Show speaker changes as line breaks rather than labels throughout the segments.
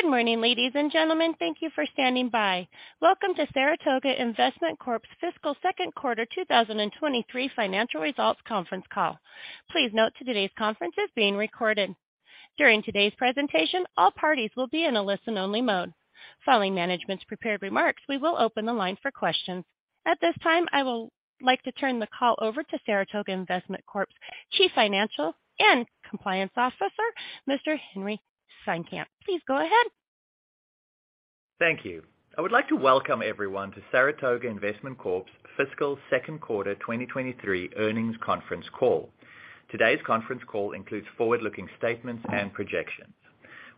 Good morning, ladies and gentlemen. Thank you for standing by. Welcome to Saratoga Investment Corp's Fiscal Second Quarter 2023 Financial Results Conference Call. Please note today's conference is being recorded. During today's presentation, all parties will be in a listen-only mode. Following management's prepared remarks, we will open the line for questions. At this time, I'd like to turn the call over to Saratoga Investment Corp's Chief Financial Officer and Chief Compliance Officer, Mr. Henri Steenkamp. Please go ahead.
Thank you. I would like to welcome everyone to Saratoga Investment Corp's Fiscal Second Quarter 2023 Earnings Conference Call. Today's conference call includes forward-looking statements and projections.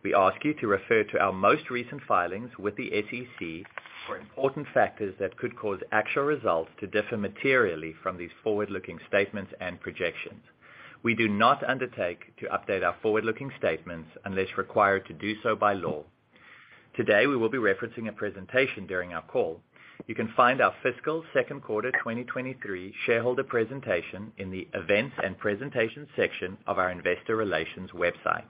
We ask you to refer to our most recent filings with the SEC for important factors that could cause actual results to differ materially from these forward-looking statements and projections. We do not undertake to update our forward-looking statements unless required to do so by law. Today, we will be referencing a presentation during our call. You can find our fiscal second quarter 2023 shareholder presentation in the Events and Presentation section of our investor relations website.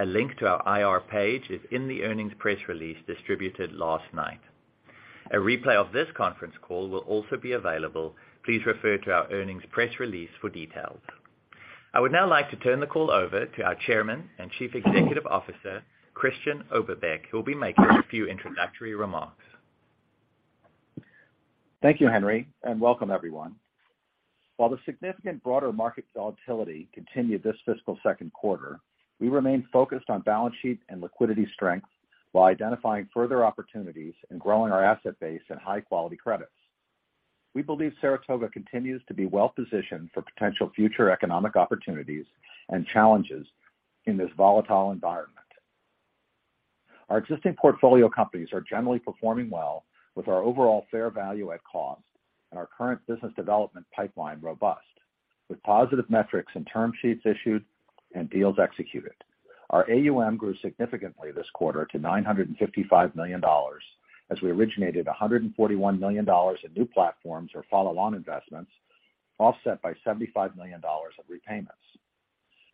A link to our IR page is in the earnings press release distributed last night. A replay of this conference call will also be available. Please refer to our earnings press release for details. I would now like to turn the call over to our Chairman and Chief Executive Officer, Christian Oberbeck, who will be making a few introductory remarks.
Thank you, Henri, and welcome everyone. While the significant broader market volatility continued this fiscal second quarter, we remain focused on balance sheet and liquidity strength while identifying further opportunities and growing our asset base and high-quality credits. We believe Saratoga continues to be well-positioned for potential future economic opportunities and challenges in this volatile environment. Our existing portfolio companies are generally performing well with our overall fair value at cost and our current business development pipeline robust, with positive metrics and term sheets issued and deals executed. Our AUM grew significantly this quarter to $955 million as we originated $141 million in new platforms or follow-on investments, offset by $75 million of repayments.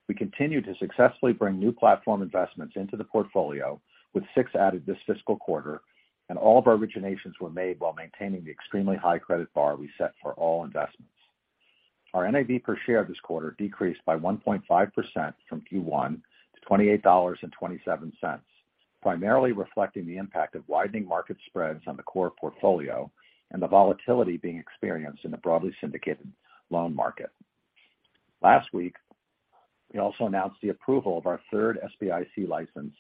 We continue to successfully bring new platform investments into the portfolio, with six added this fiscal quarter, and all of our originations were made while maintaining the extremely high credit bar we set for all investments. Our NAV per share this quarter decreased by 1.5% from Q1 to $28.27, primarily reflecting the impact of widening market spreads on the core portfolio and the volatility being experienced in the broadly syndicated loan market. Last week, we also announced the approval of our third SBIC license.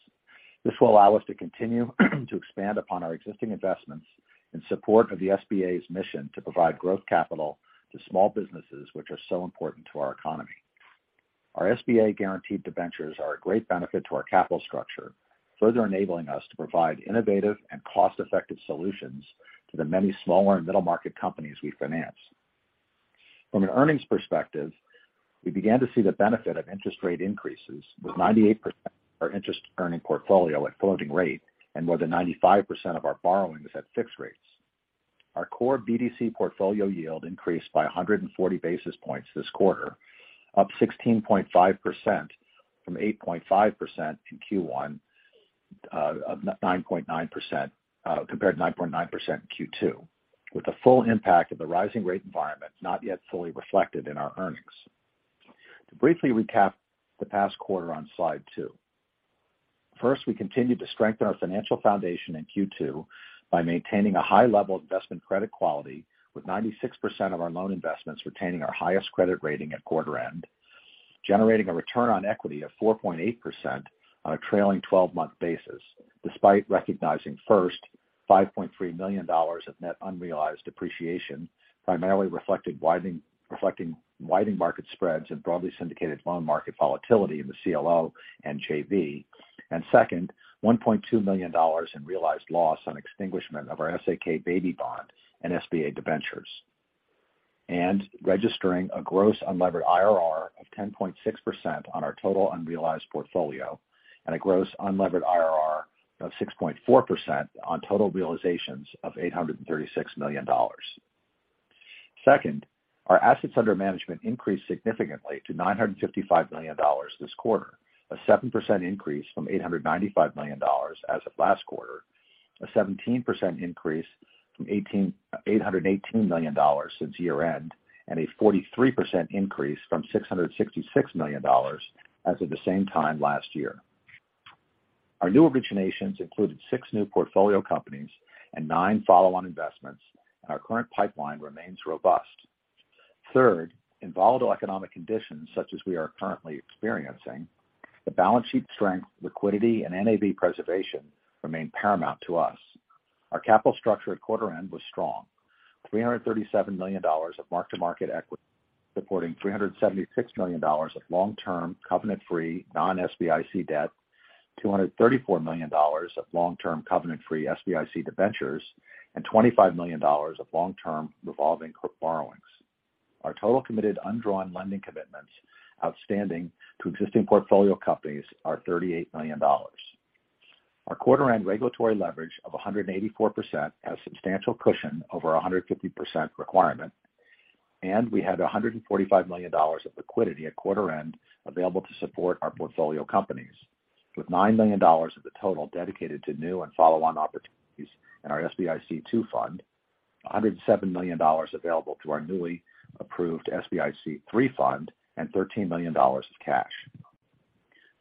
This will allow us to continue to expand upon our existing investments in support of the SBA's mission to provide growth capital to small businesses which are so important to our economy. Our SBA guaranteed debentures are a great benefit to our capital structure, further enabling us to provide innovative and cost-effective solutions to the many smaller and middle-market companies we finance. From an earnings perspective, we began to see the benefit of interest rate increases, with 98% of our interest earning portfolio at floating rate and more than 95% of our borrowings at fixed rates. Our core BDC portfolio yield increased by 140 basis points this quarter, up 16.5% from 8.5% in Q1 compared to 9.9% in Q2, with the full impact of the rising rate environment not yet fully reflected in our earnings. To briefly recap the past quarter on slide two. First, we continued to strengthen our financial foundation in Q2 by maintaining a high level of investment credit quality, with 96% of our loan investments retaining our highest credit rating at quarter end, generating a return on equity of 4.8% on a trailing twelve-month basis, despite recognizing, first, $5.3 million of net unrealized depreciation, primarily reflecting widening market spreads and broadly syndicated loan market volatility in the CLO and JV. Second, $1.2 million in realized loss on extinguishment of our SAK baby bond and SBA debentures. Registering a gross unlevered IRR of 10.6% on our total unrealized portfolio and a gross unlevered IRR of 6.4% on total realizations of $836 million. Second, our assets under management increased significantly to $955 million this quarter, a 7% increase from $895 million as of last quarter, a 17% increase from eight hundred and eighteen million dollars since year-end, and a 43% increase from $666 million as of the same time last year. Our new originations included six new portfolio companies and nine follow-on investments, and our current pipeline remains robust. Third, in volatile economic conditions such as we are currently experiencing, the balance sheet strength, liquidity, and NAV preservation remain paramount to us. Our capital structure at quarter end was strong. $337 million of mark-to-market equity, supporting $376 million of long-term covenant-free non-SBIC debt, $234 million of long-term covenant-free SBIC debentures, and $25 million of long-term revolving borrowings. Our total committed undrawn lending commitments outstanding to existing portfolio companies are $38 million. Our quarter end regulatory leverage of 184% has substantial cushion over 150% requirement. We had $145 million of liquidity at quarter end available to support our portfolio companies, with $9 million of the total dedicated to new and follow-on opportunities in our SBIC II fund, $107 million available to our newly approved SBIC three fund, and $13 million of cash.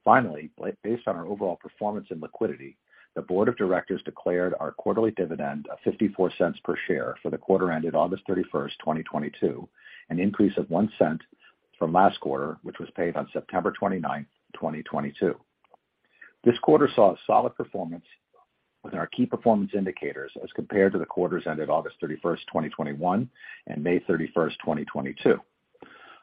Finally, based on our overall performance and liquidity, the board of directors declared our quarterly dividend of $0.54 per share for the quarter ended 30th August 2022, an increase of $0.01 from last quarter, which was paid on29th September 2022. This quarter saw a solid performance within our key performance indicators as compared to the quarters ended 30th August 2021 and 30th May 2022.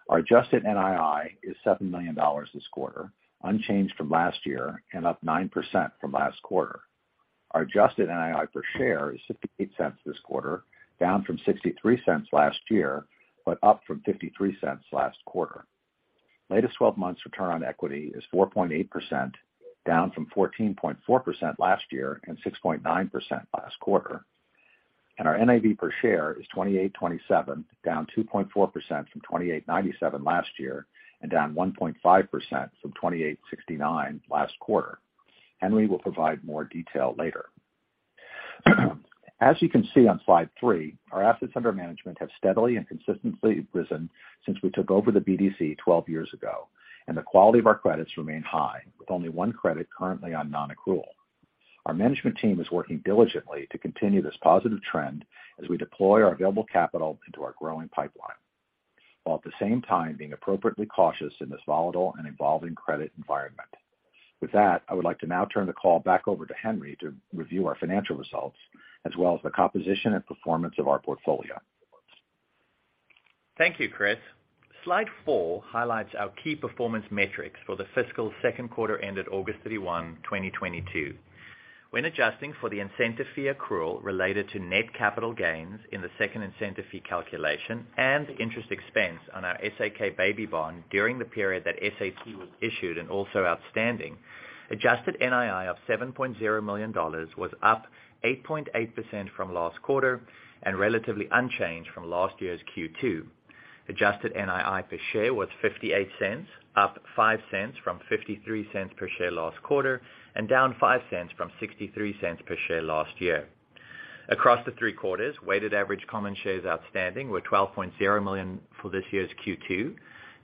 Our adjusted NII is $7 million this quarter, unchanged from last year and up 9% from last quarter. Our adjusted NII per share is $0.58 this quarter, down from $0.63 last year, but up from $0.53 last quarter. Latest 12 months return on equity is 4.8%, down from 14.4% last year and 6.9% last quarter. Our NAV per share is $28.27, down 2.4% from $28.97 last year and down 1.5% from $28.69 last quarter. Henry will provide more detail later. As you can see on slide three our assets under management have steadily and consistently risen since we took over the BDC 12 years ago, and the quality of our credits remain high, with only one credit currently on non-accrual. Our management team is working diligently to continue this positive trend as we deploy our available capital into our growing pipeline, while at the same time being appropriately cautious in this volatile and evolving credit environment. With that, I would like to now turn the call back over to Henry to review our financial results, as well as the composition and performance of our portfolio.
Thank you, Chris. Slide four highlights our key performance metrics for the fiscal second quarter ended 30th August 2022. When adjusting for the incentive fee accrual related to net capital gains in the second incentive fee calculation and interest expense on our SAK baby bond during the period that SAK was issued and also outstanding. Adjusted NII of $7.0 million was up 8.8% from last quarter and relatively unchanged from last year's Q2. Adjusted NII per share was $0.58, up $0.05 from $0.53 per share last quarter, and down $0.05 from $0.63 per share last year. Across the three quarters, weighted average common shares outstanding were 12.0 million for this year's Q2,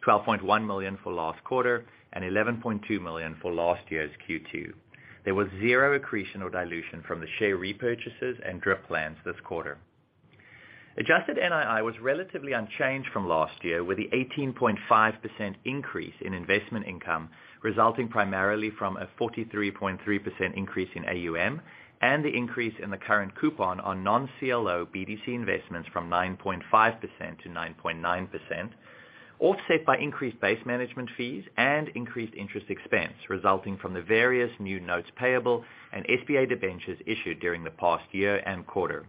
12.1 million for last quarter, and 11.2 million for last year's Q2. There was zero accretion or dilution from the share repurchases and DRIP plans this quarter. Adjusted NII was relatively unchanged from last year, with the 18.5% increase in investment income resulting primarily from a 43.3% increase in AUM and the increase in the current coupon on non-CLO BDC investments from 9.5% to 9.9%, offset by increased base management fees and increased interest expense resulting from the various new notes payable and SBA debentures issued during the past year and quarter.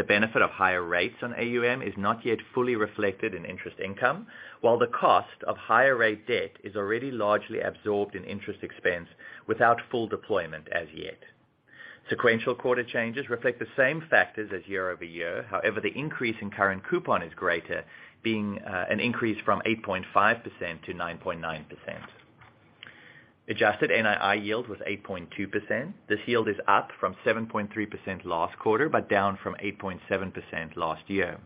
The benefit of higher rates on AUM is not yet fully reflected in interest income, while the cost of higher rate debt is already largely absorbed in interest expense without full deployment as yet. Sequential quarter changes reflect the same factors as year-over-year. However, the increase in current coupon is greater, being an increase from 8.5% to 9.9%. Adjusted NII yield was 8.2%. This yield is up from 7.3% last quarter, but down from 8.7% last year.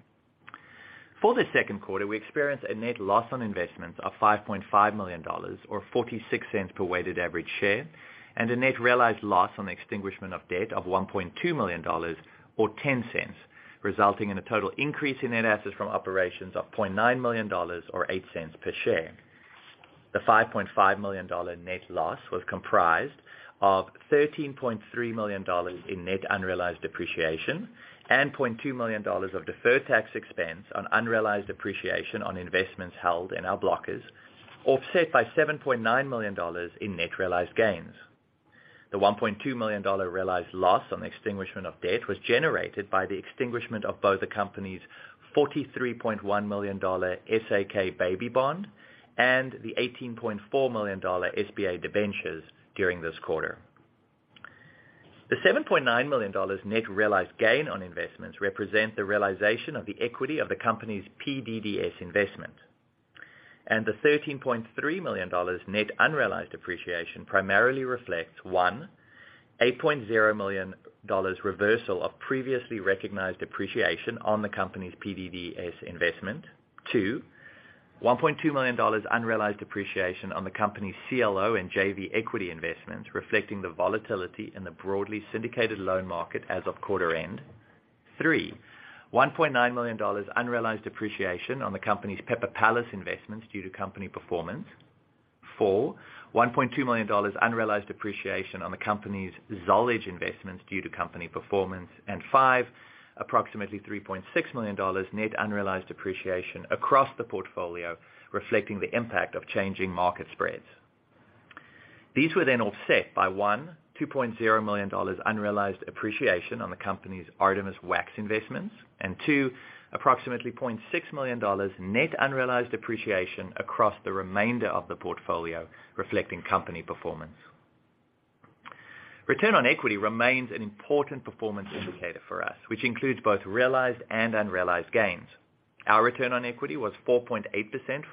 For the second quarter, we experienced a net loss on investments of $5.5 million or $0.46 per weighted average share, and a net realized loss on the extinguishment of debt of $1.2 million or $0.10, resulting in a total increase in net assets from operations of $0.9 million or $0.08 per share. The $5.5 million net loss was comprised of $13.3 million in net unrealized appreciation and $0.2 million of deferred tax expense on unrealized appreciation on investments held in our blockers, offset by $7.9 million in net realized gains. The $1.2 million realized loss on the extinguishment of debt was generated by the extinguishment of both the company's $43.1 million SAK baby bond and the $18.4 million SBA debentures during this quarter. The $7.9 million net realized gain on investments represent the realization of the equity of the company's PDDS investment. The $13.3 million net unrealized appreciation primarily reflects, one, $8.0 million reversal of previously recognized depreciation on the company's PDDS investment. 2. $1.2 million unrealized appreciation on the company's CLO and JV equity investments, reflecting the volatility in the broadly syndicated loan market as of quarter end. 3. $1.9 million unrealized appreciation on the company's Pepper Palace investments due to company performance. 4. $1.2 million unrealized appreciation on the company's Zollege investments due to company performance. five. approximately $3.6 million net unrealized appreciation across the portfolio, reflecting the impact of changing market spreads. These were then offset by, 1. $2.0 million unrealized depreciation on the company's Artemis Wax investments, and 2. approximately $0.6 million net unrealized depreciation across the remainder of the portfolio, reflecting company performance. Return on equity remains an important performance indicator for us, which includes both realized and unrealized gains. Our return on equity was 4.8%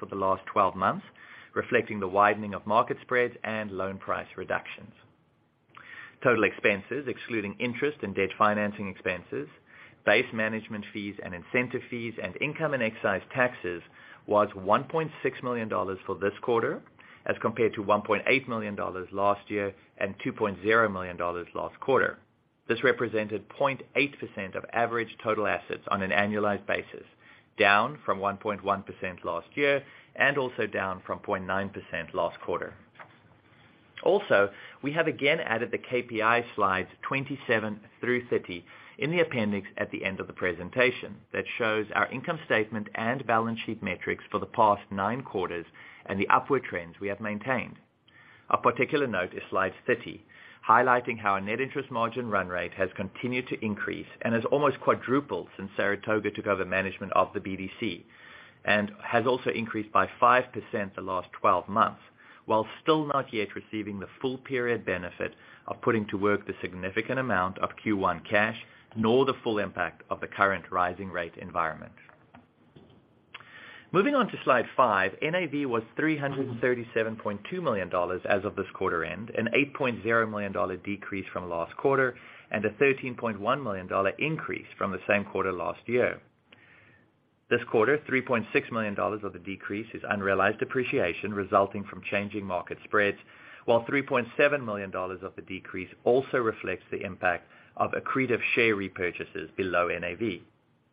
for the last 12 months, reflecting the widening of market spreads and loan price reductions. Total expenses, excluding interest and debt financing expenses, base management fees and incentive fees, and income and excise taxes was $1.6 million for this quarter as compared to $1.8 million last year and $2.0 million last quarter. This represented 0.8% of average total assets on an annualized basis, down from 1.1% last year and also down from 0.9% last quarter. Also, we have again added the KPI slides 27 through 30 in the appendix at the end of the presentation that shows our income statement and balance sheet metrics for the past nine quarters and the upward trends we have maintained. Of particular note is slide 30, highlighting how our net interest margin run rate has continued to increase and has almost quadrupled since Saratoga took over management of the BDC, and has also increased by 5% the last twelve months, while still not yet receiving the full period benefit of putting to work the significant amount of Q1 cash, nor the full impact of the current rising rate environment. Moving on to slide five. NAV was $337.2 million as of this quarter end, an $8.0 million decrease from last quarter and a $13.1 million increase from the same quarter last year. This quarter, $3.6 million of the decrease is unrealized appreciation resulting from changing market spreads, while $3.7 million of the decrease also reflects the impact of accretive share repurchases below NAV.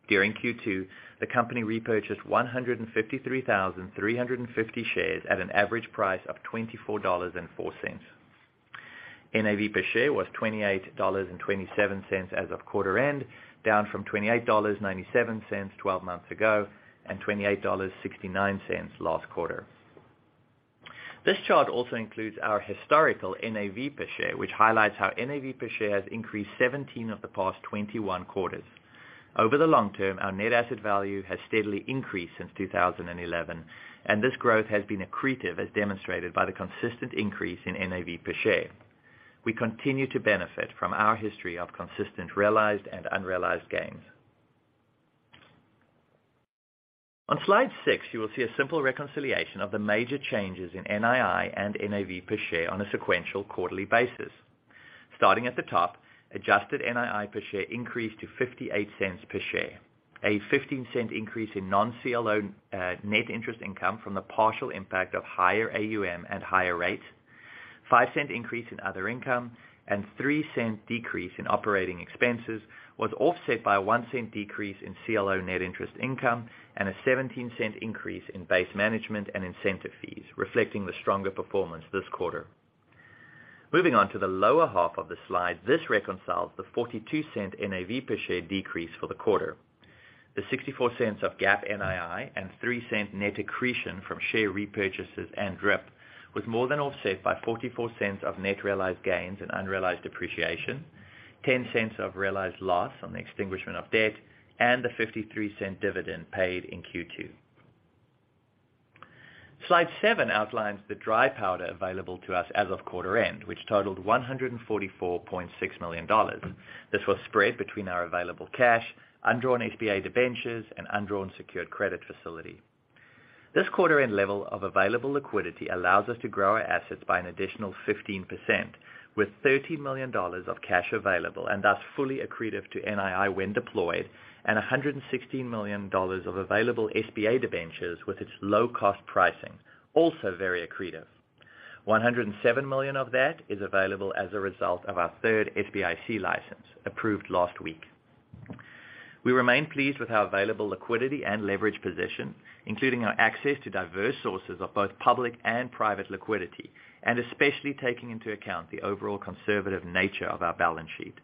During Q2, the company repurchased 153,350 shares at an average price of $24.04. NAV per share was $28.27 as of quarter end, down from $28.97 twelve months ago and $28.69 last quarter. This chart also includes our historical NAV per share, which highlights how NAV per share has increased 17 of the past 21 quarters. Over the long term, our net asset value has steadily increased since 2011, and this growth has been accretive as demonstrated by the consistent increase in NAV per share. We continue to benefit from our history of consistent realized and unrealized gains. On slide six, you will see a simple reconciliation of the major changes in NII and NAV per share on a sequential quarterly basis. Starting at the top, adjusted NII per share increased to $0.58 per share. A $0.15 increase in non-CLO net interest income from the partial impact of higher AUM at higher rates, $0.05 increase in other income, and $0.03 decrease in operating expenses was offset by a $0.01 decrease in CLO net interest income and a $0.17 increase in base management and incentive fees, reflecting the stronger performance this quarter. Moving on to the lower half of the slide. This reconciles the $0.42 NAV per share decrease for the quarter. The $0.64 of GAAP NII and $0.03 net accretion from share repurchases and DRIP was more than offset by $0.44 of net realized gains and unrealized appreciation, $0.10 of realized loss on the extinguishment of debt, and the $0.53 dividend paid in Q2. Slide seven outlines the dry powder available to us as of quarter end, which totaled $144.6 million. This was spread between our available cash, undrawn SBA debentures, and undrawn secured credit facility. This quarter end level of available liquidity allows us to grow our assets by an additional 15%, with $30 million of cash available and thus fully accretive to NII when deployed, and $116 million of available SBA debentures with its low cost pricing, also very accretive. $107 million of that is available as a result of our third SBIC license approved last week. We remain pleased with our available liquidity and leverage position, including our access to diverse sources of both public and private liquidity, and especially taking into account the overall conservative nature of our balance sheet.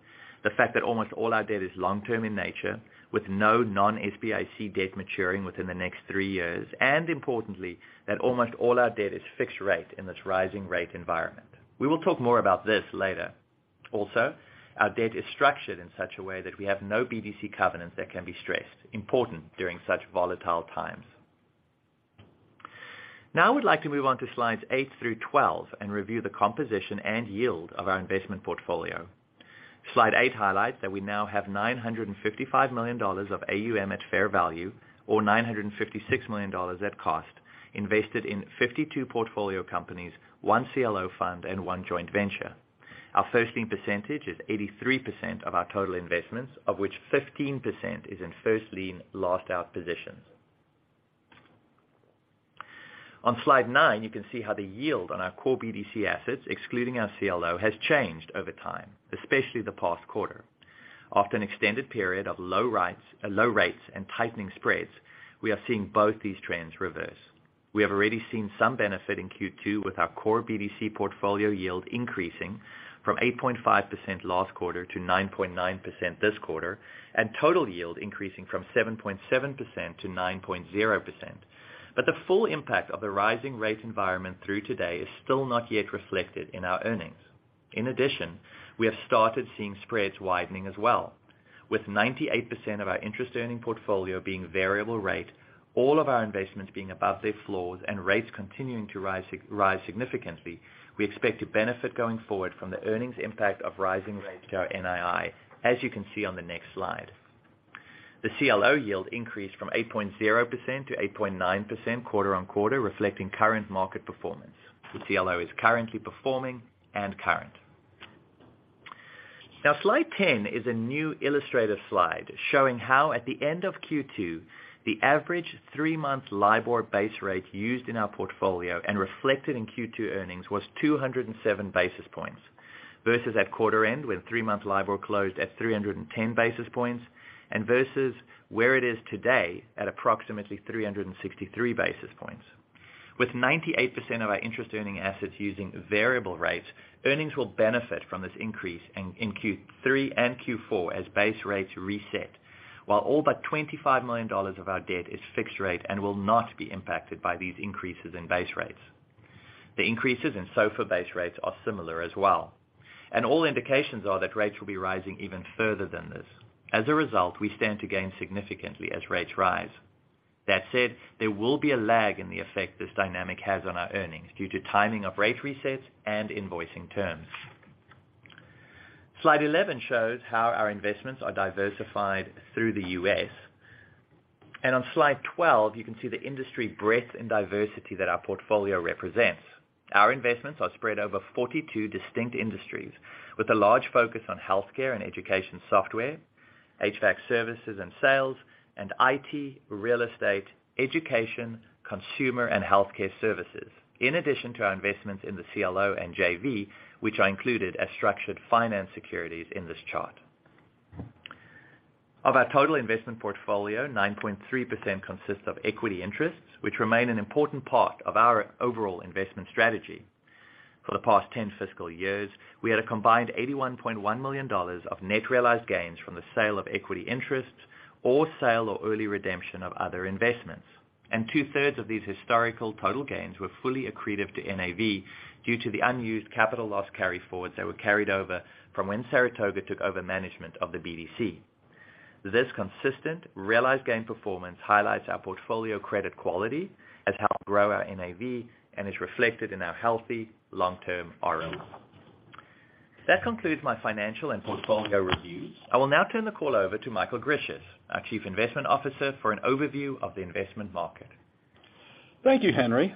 The fact that almost all our debt is long term in nature with no non-SBIC debt maturing within the next three years, and importantly, that almost all our debt is fixed rate in this rising rate environment. We will talk more about this later. Also, our debt is structured in such a way that we have no BDC covenants that can be stressed, important during such volatile times. Now I would like to move on to slides eight through 12 and review the composition and yield of our investment portfolio. Slide eight highlights that we now have $955 million of AUM at fair value or $956 million at cost invested in 52 portfolio companies, one CLO fund and one joint venture. Our first lien percentage is 83% of our total investments, of which 15% is in first lien, last out positions. On slide nine, you can see how the yield on our core BDC assets, excluding our CLO, has changed over time, especially the past quarter. After an extended period of low rates and tightening spreads, we are seeing both these trends reverse. We have already seen some benefit in Q2 with our core BDC portfolio yield increasing from 8.5% last quarter to 9.9% this quarter, and total yield increasing from 7.7% to 9.0%. The full impact of the rising rate environment through today is still not yet reflected in our earnings. In addition, we have started seeing spreads widening as well. With 98% of our interest earning portfolio being variable rate, all of our investments being above their floors and rates continuing to rise significantly, we expect to benefit going forward from the earnings impact of rising rates to our NII, as you can see on the next slide. The CLO yield increased from 8.0% to 8.9% quarter-over-quarter, reflecting current market performance. The CLO is currently performing and current. Now, slide 10 is a new illustrative slide showing how at the end of Q2, the average three-month LIBOR base rate used in our portfolio and reflected in Q2 earnings was 207 basis points, versus at quarter end, when three-month LIBOR closed at 310 basis points, and versus where it is today at approximately 363 basis points. With 98% of our interest-earning assets using variable rates, earnings will benefit from this increase in Q3 and Q4 as base rates reset, while all but $25 million of our debt is fixed rate and will not be impacted by these increases in base rates. The increases in SOFR-based rates are similar as well, and all indications are that rates will be rising even further than this. As a result, we stand to gain significantly as rates rise. That said, there will be a lag in the effect this dynamic has on our earnings due to timing of rate resets and invoicing terms. Slide 11 shows how our investments are diversified through the U.S. On slide 12, you can see the industry breadth and diversity that our portfolio represents. Our investments are spread over 42 distinct industries with a large focus on healthcare and education software, HVAC services and sales, and IT, real estate, education, consumer and healthcare services, in addition to our investments in the CLO and JV, which are included as structured finance securities in this chart. Of our total investment portfolio, 9.3% consists of equity interests, which remain an important part of our overall investment strategy. For the past 10 fiscal years, we had a combined $81.1 million of net realized gains from the sale of equity interests or sale or early redemption of other investments. Two-thirds of these historical total gains were fully accretive to NAV due to the unused capital loss carryforwards that were carried over from when Saratoga took over management of the BDC. This consistent realized gain performance highlights our portfolio credit quality has helped grow our NAV and is reflected in our healthy long-term ROE. That concludes my financial and portfolio review. I will now turn the call over to Michael Grisius, our Chief Investment Officer, for an overview of the investment market.
Thank you, Henry.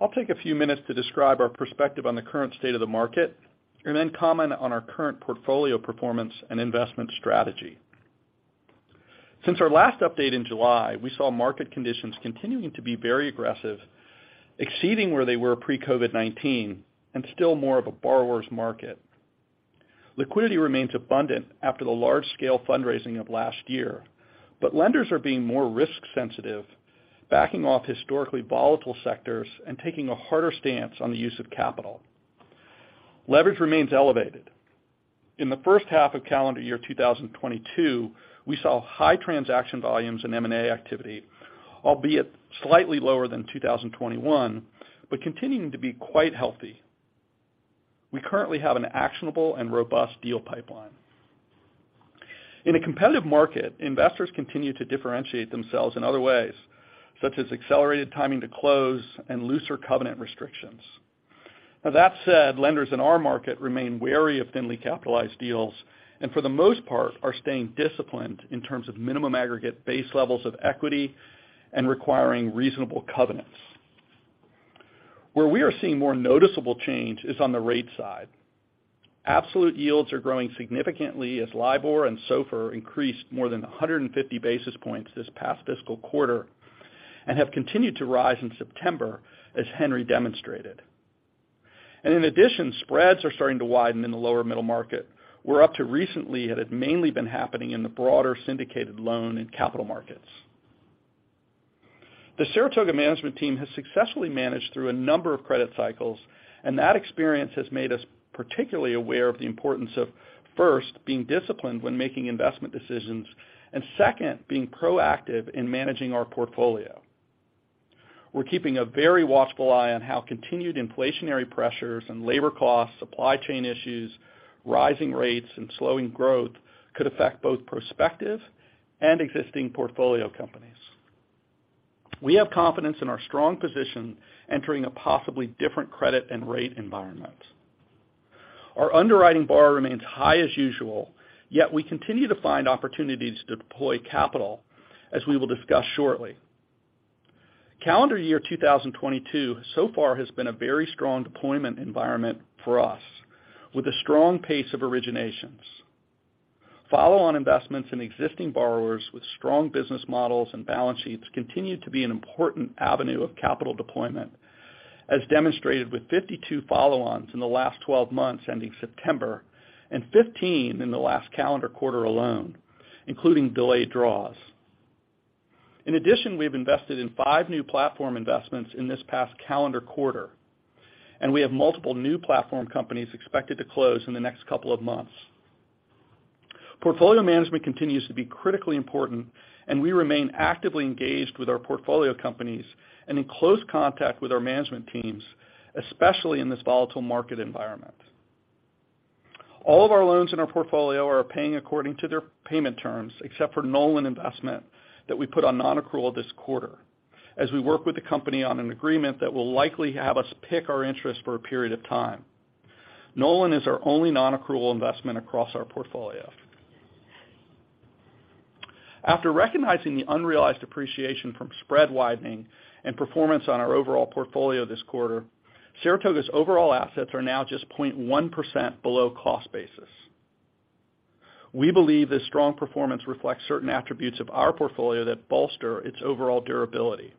I'll take a few minutes to describe our perspective on the current state of the market and then comment on our current portfolio performance and investment strategy. Since our last update in July, we saw market conditions continuing to be very aggressive, exceeding where they were pre-COVID-19 and still more of a borrower's market. Liquidity remains abundant after the large-scale fundraising of last year, but lenders are being more risk sensitive, backing off historically volatile sectors and taking a harder stance on the use of capital. Leverage remains elevated. In the first half of calendar year 2022, we saw high transaction volumes in M&A activity, albeit slightly lower than 2021, but continuing to be quite healthy. We currently have an actionable and robust deal pipeline. In a competitive market, investors continue to differentiate themselves in other ways, such as accelerated timing to close and looser covenant restrictions. Now that said, lenders in our market remain wary of thinly capitalized deals, and for the most part, are staying disciplined in terms of minimum aggregate base levels of equity and requiring reasonable covenants. Where we are seeing more noticeable change is on the rate side. Absolute yields are growing significantly as LIBOR and SOFR increased more than 150 basis points this past fiscal quarter and have continued to rise in September, as Henry demonstrated. In addition, spreads are starting to widen in the lower middle market, where up to recently, it had mainly been happening in the broader syndicated loan and capital markets. The Saratoga management team has successfully managed through a number of Credit Cycles, and that experience has made us particularly aware of the importance of, first, being disciplined when making investment decisions, and second, being proactive in managing our portfolio. We're keeping a very watchful eye on how continued inflationary pressures and labor costs, supply chain issues, rising rates, and slowing growth could affect both prospective and existing portfolio companies. We have confidence in our strong position entering a possibly different credit and rate environment. Our underwriting bar remains high as usual, yet we continue to find opportunities to deploy capital, as we will discuss shortly. Calendar year 2022 so far has been a very strong deployment environment for us, with a strong pace of originations. Follow-on investments in existing borrowers with strong business models and balance sheets continue to be an important avenue of capital deployment, as demonstrated with 52 follow-ons in the last 12 months ending September and 15 in the last calendar quarter alone, including delayed draws. In addition, we've invested in five new platform investments in this past calendar quarter, and we have multiple new platform companies expected to close in the next couple of months. Portfolio management continues to be critically important, and we remain actively engaged with our portfolio companies and in close contact with our management teams, especially in this volatile market environment. All of our loans in our portfolio are paying according to their payment terms, except for Nolan investment that we put on non-accrual this quarter as we work with the company on an agreement that will likely have us PIK our interest for a period of time. Nolan is our only non-accrual investment across our portfolio. After recognizing the unrealized appreciation from spread widening and performance on our overall portfolio this quarter, Saratoga's overall assets are now just 0.1% below cost basis. We believe this strong performance reflects certain attributes of our portfolio that bolster its overall durability.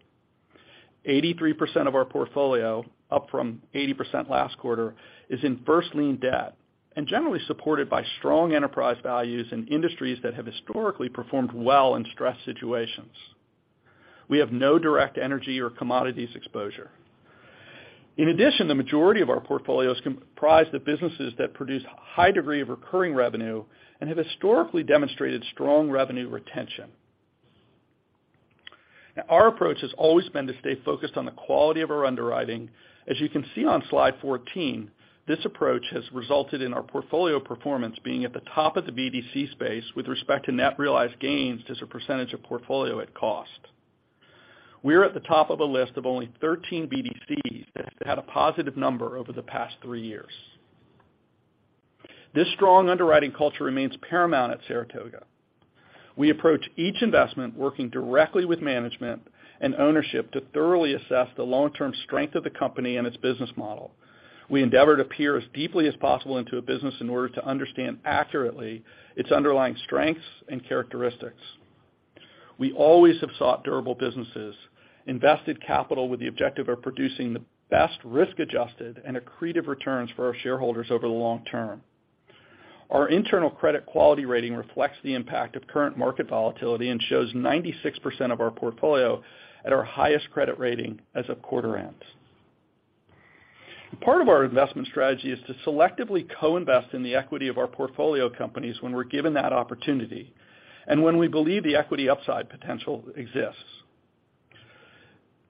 83% of our portfolio, up from 80% last quarter, is in first lien debt and generally supported by strong enterprise values in industries that have historically performed well in stress situations. We have no direct energy or commodities exposure. In addition, the majority of our portfolio is comprised of businesses that produce high degree of recurring revenue and have historically demonstrated strong revenue retention. Now, our approach has always been to stay focused on the quality of our underwriting. As you can see on slide 14, this approach has resulted in our portfolio performance being at the top of the BDC space with respect to net realized gains as a percentage of portfolio at cost. We're at the top of a list of only 13 BDCs that have had a positive number over the past three years. This strong underwriting culture remains paramount at Saratoga. We approach each investment working directly with management and ownership to thoroughly assess the long-term strength of the company and its business model. We endeavor to peer as deeply as possible into a business in order to understand accurately its underlying strengths and characteristics. We always have sought durable businesses, invested capital with the objective of producing the best risk-adjusted and accretive returns for our shareholders over the long term. Our internal credit quality rating reflects the impact of current market volatility and shows 96% of our portfolio at our highest credit rating as of quarter ends. Part of our investment strategy is to selectively co-invest in the equity of our portfolio companies when we're given that opportunity and when we believe the equity upside potential exists.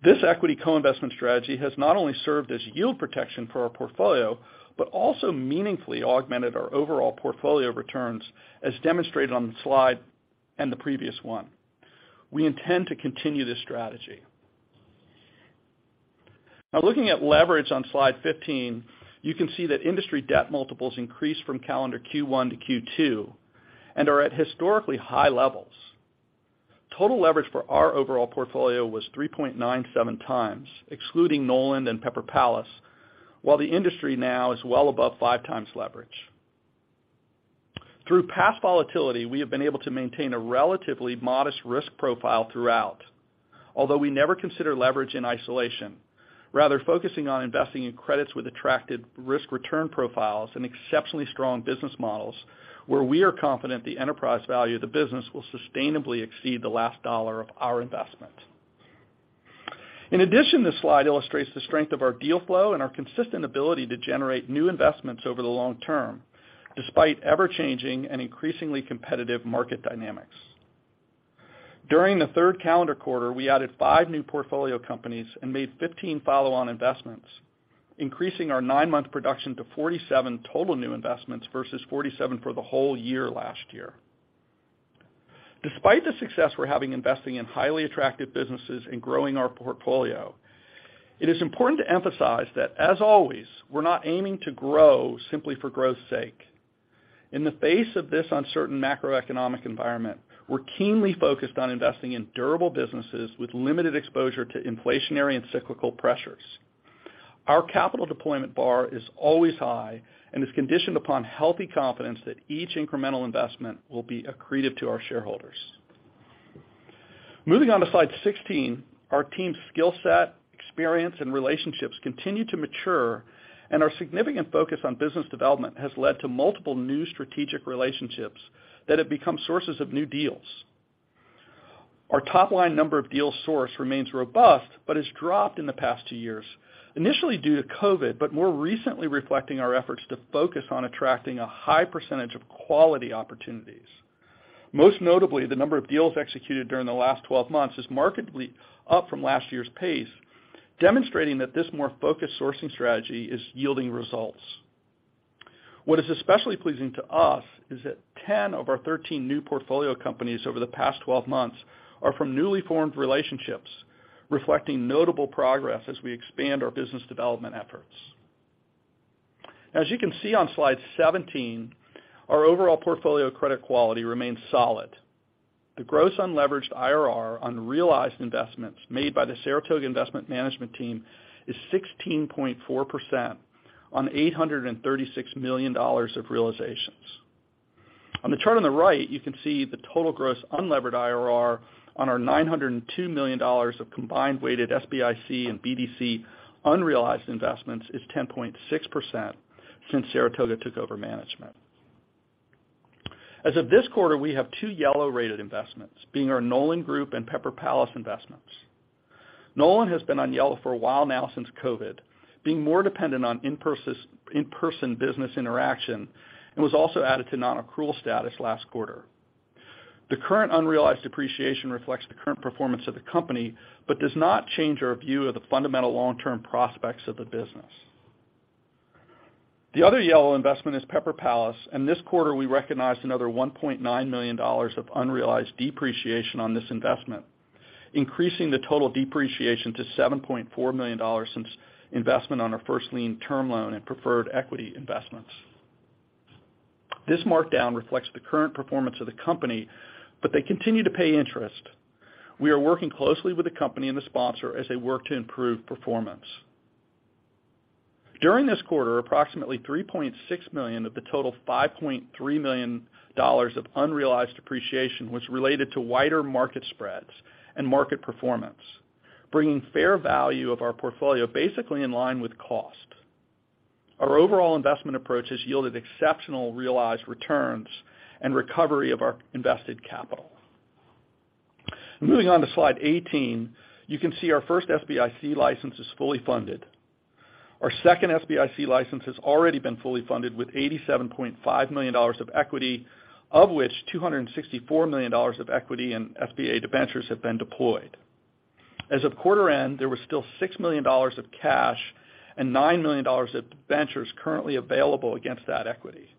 This equity co-investment strategy has not only served as yield protection for our portfolio, but also meaningfully augmented our overall portfolio returns, as demonstrated on the slide and the previous one. We intend to continue this strategy. Now looking at leverage on slide 15, you can see that industry debt multiples increased from calendar Q1 to Q2 and are at historically high levels. Total leverage for our overall portfolio was 3.97x, excluding Nolan and Pepper Palace, while the industry now is well above 5x leverage. Through past volatility, we have been able to maintain a relatively modest risk profile throughout. Although we never consider leverage in isolation, rather focusing on investing in credits with attractive risk-return profiles and exceptionally strong business models where we are confident the enterprise value of the business will sustainably exceed the last dollar of our investment. In addition, this slide illustrates the strength of our deal flow and our consistent ability to generate new investments over the long term, despite ever-changing and increasingly competitive market dynamics. During the third calendar quarter, we added five new portfolio companies and made 15 follow-on investments, increasing our nine-month production to 47 total new investments versus 47 for the whole year last year. Despite the success we're having investing in highly attractive businesses and growing our portfolio, it is important to emphasize that, as always, we're not aiming to grow simply for growth's sake. In the face of this uncertain macroeconomic environment, we're keenly focused on investing in durable businesses with limited exposure to inflationary and cyclical pressures. Our capital deployment bar is always high and is conditioned upon healthy confidence that each incremental investment will be accretive to our shareholders. Moving on to slide 16. Our team's skill set, experience, and relationships continue to mature, and our significant focus on business development has led to multiple new strategic relationships that have become sources of new deals. Our top-line number of deals sourced remains robust but has dropped in the past two years, initially due to COVID, but more recently reflecting our efforts to focus on attracting a high percentage of quality opportunities. Most notably, the number of deals executed during the last 12 months is markedly up from last year's pace, demonstrating that this more focused sourcing strategy is yielding results. What is especially pleasing to us is that 10 of our 13 new portfolio companies over the past 12 months are from newly formed relationships, reflecting notable progress as we expand our business development efforts. As you can see on slide 17, our overall portfolio credit quality remains solid. The gross unleveraged IRR on realized investments made by the Saratoga Investment management team is 16.4% on $836 million of realizations. On the chart on the right, you can see the total gross unlevered IRR on our $902 million of combined weighted SBIC and BDC unrealized investments is 10.6% since Saratoga took over management. As of this quarter, we have two yellow-rated investments, being our Nolan Group and Pepper Palace investments. Nolan has been on yellow for a while now since COVID, being more dependent on in-person business interaction, and was also added to non-accrual status last quarter. The current unrealized depreciation reflects the current performance of the company, but does not change our view of the fundamental long-term prospects of the business. The other yellow investment is Pepper Palace, and this quarter, we recognized another $1.9 million of unrealized depreciation on this investment, increasing the total depreciation to $7.4 million since investment on our first lien term loan and preferred equity investments. This markdown reflects the current performance of the company, but they continue to pay interest. We are working closely with the company and the sponsor as they work to improve performance. During this quarter, approximately $3.6 million of the total $5.3 million of unrealized depreciation was related to wider market spreads and market performance, bringing fair value of our portfolio basically in line with cost. Our overall investment approach has yielded exceptional realized returns and recovery of our invested capital. Moving on to slide 18, you can see our first SBIC license is fully funded. Our second SBIC license has already been fully funded with $87.5 million of equity, of which $264 million of equity and SBA debentures have been deployed. As of quarter end, there was still $6 million of cash and $9 million of debentures currently available against that equity.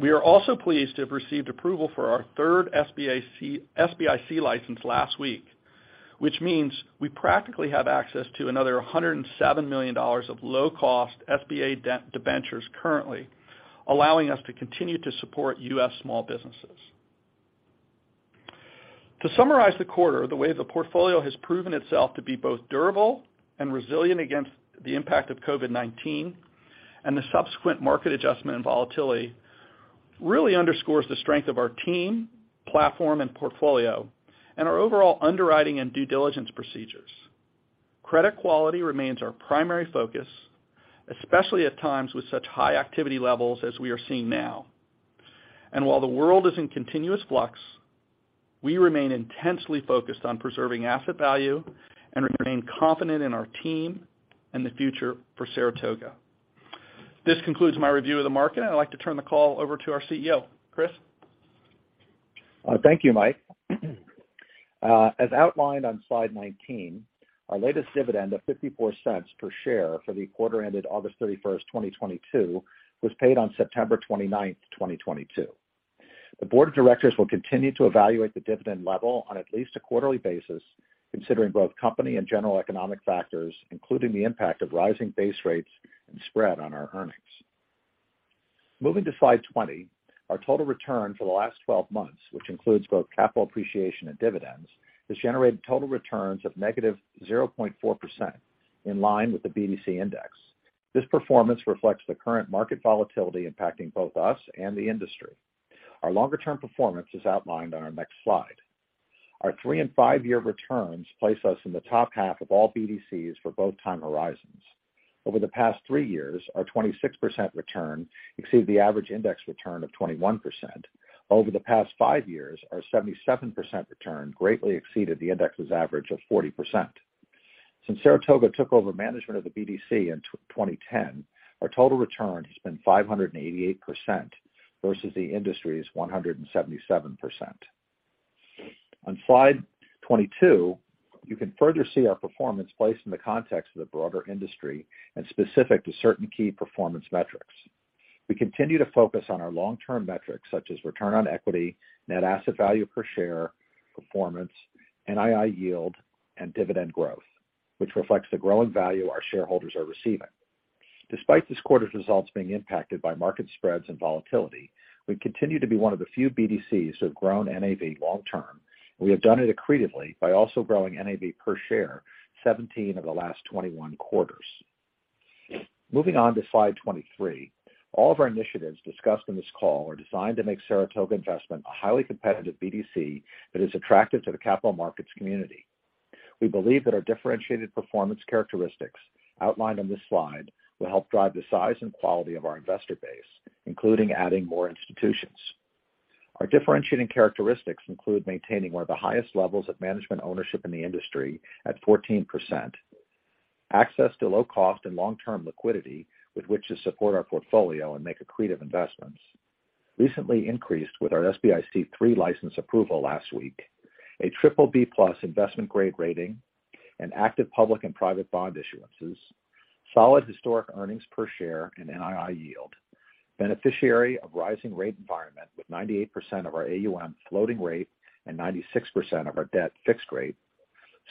We are also pleased to have received approval for our third SBIC license last week, which means we practically have access to another $107 million of low-cost SBA debt debentures currently, allowing us to continue to support U.S. small businesses. To summarize the quarter, the way the portfolio has proven itself to be both durable and resilient against the impact of COVID-19 and the subsequent market adjustment and volatility really underscores the strength of our team, platform, and portfolio, and our overall underwriting and due diligence procedures. Credit quality remains our primary focus, especially at times with such high activity levels as we are seeing now. While the world is in continuous flux, we remain intensely focused on preserving asset value and remain confident in our team and the future for Saratoga. This concludes my review of the market, and I'd like to turn the call over to our CEO. Chris?
Thank you, Mike. As outlined on slide 19, our latest dividend of $0.54 per share for the quarter ended 31st August 2022, was paid on 29th September 2022. The board of directors will continue to evaluate the dividend level on at least a quarterly basis, considering both company and general economic factors, including the impact of rising base rates and spread on our earnings. Moving to slide 20, our total return for the last 12 months, which includes both capital appreciation and dividends, has generated total returns of -0.4% in line with the BDC index. This performance reflects the current market volatility impacting both us and the industry. Our longer-term performance is outlined on our next slide. Our three and fiveyear returns place us in the top half of all BDCs for both time horizons. Over the past three years, our 26% return exceeded the average index return of 21%. Over the past five years, our 77% return greatly exceeded the index's average of 40%. Since Saratoga took over management of the BDC in 2010, our total return has been 588% versus the industry's 177%. On slide 22, you can further see our performance placed in the context of the broader industry and specific to certain key performance metrics. We continue to focus on our long-term metrics, such as return on equity, net asset value per share, performance, NII yield, and dividend growth, which reflects the growing value our shareholders are receiving. Despite this quarter's results being impacted by market spreads and volatility, we continue to be one of the few BDCs to have grown NAV long term. We have done it accretively by also growing NAV per share 17 of the last 21 quarters. Moving on to slide 23. All of our initiatives discussed in this call are designed to make Saratoga Investment a highly competitive BDC that is attractive to the capital markets community. We believe that our differentiated performance characteristics outlined on this slide will help drive the size and quality of our investor base, including adding more institutions. Our differentiating characteristics include maintaining one of the highest levels of management ownership in the industry at 14%. Access to low cost and long-term liquidity with which to support our portfolio and make accretive investments recently increased with our SBIC III license approval last week. A BBB+ investment grade rating. And active public and private bond issuances. Solid historic earnings per share and NII yield. Beneficiary of rising rate environment with 98% of our AUM floating rate and 96% of our debt fixed rate.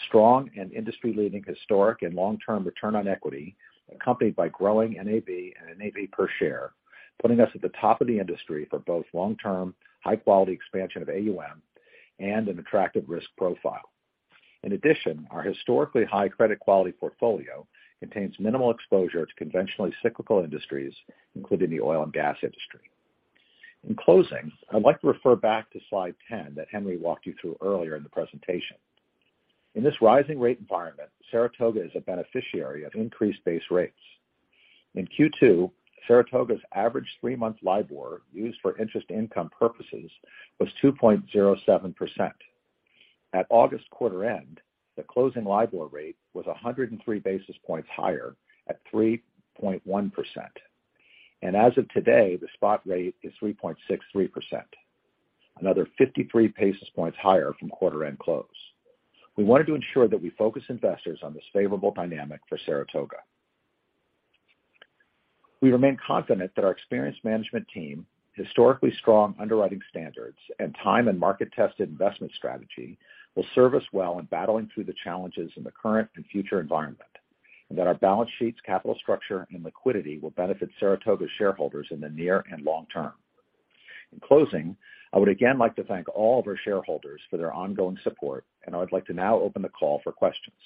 Strong and industry-leading historic and long-term return on equity, accompanied by growing NAV and NAV per share, putting us at the top of the industry for both long-term, high quality expansion of AUM and an attractive risk profile. In addition, our historically high credit quality portfolio contains minimal exposure to conventionally cyclical industries, including the oil and gas industry. In closing, I'd like to refer back to slide 10 that Henry walked you through earlier in the presentation. In this rising rate environment, Saratoga is a beneficiary of increased base rates. In Q2, Saratoga's average three-month LIBOR used for interest income purposes was 2.07%. At August quarter end, the closing LIBOR rate was 103 basis points higher at 3.1%. As of today, the spot rate is 3.63%, another 53 basis points higher from quarter end close. We wanted to ensure that we focus investors on this favorable dynamic for Saratoga. We remain confident that our experienced management team, historically strong underwriting standards and time and market tested investment strategy will serve us well in battling through the challenges in the current and future environment, and that our balance sheets, capital structure and liquidity will benefit Saratoga shareholders in the near and long term. In closing, I would again like to thank all of our shareholders for their ongoing support, and I would like to now open the call for questions.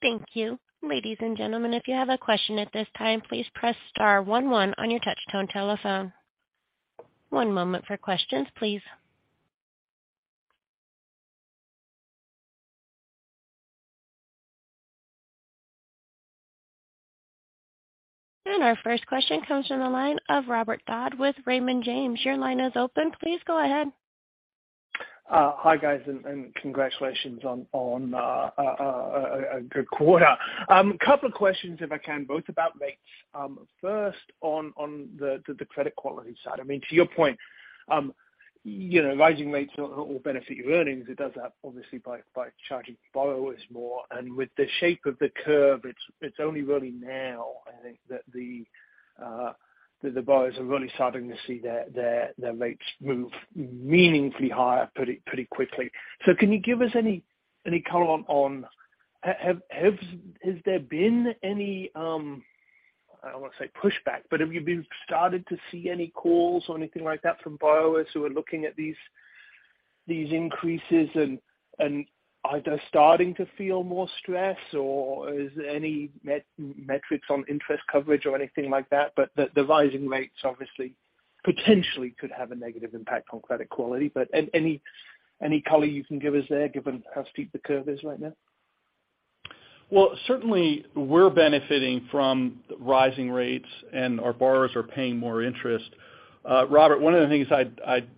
Thank you. Ladies and gentlemen, if you have a question at this time, please press star one one on your touchtone telephone. One moment for questions, please. Our first question comes from the line of Robert Dodd with Raymond James. Your line is open. Please go ahead.
Hi, guys, and congratulations on a good quarter. Couple of questions, if I can, both about rates. First on the credit quality side. I mean, to your point, you know, rising rates will benefit your earnings. It does that obviously by charging borrowers more and with the shape of the curve, it's only really now, I think, that the borrowers are really starting to see their rates move meaningfully higher pretty quickly. Can you give us any color on has there been any, I don't wanna say pushback, but have you been starting to see any calls or anything like that from borrowers who are looking at these increases and are just starting to feel more stress or is any metrics on interest coverage or anything like that? The rising rates obviously potentially could have a negative impact on credit quality, but any color you can give us there given how steep the curve is right now?
Well, certainly we're benefiting from rising rates and our borrowers are paying more interest. Robert, one of the things I'd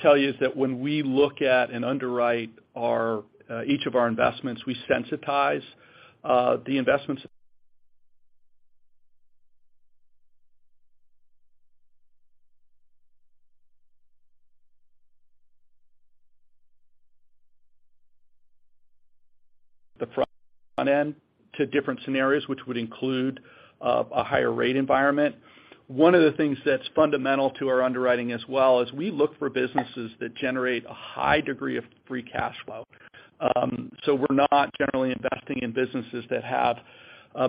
tell you is that when we look at and underwrite our each of our investments, we sensitize the investments from the front end to different scenarios, which would include a higher rate environment. One of the things that's fundamental to our underwriting as well is we look for businesses that generate a high degree of free cash flow. We're not generally investing in businesses that have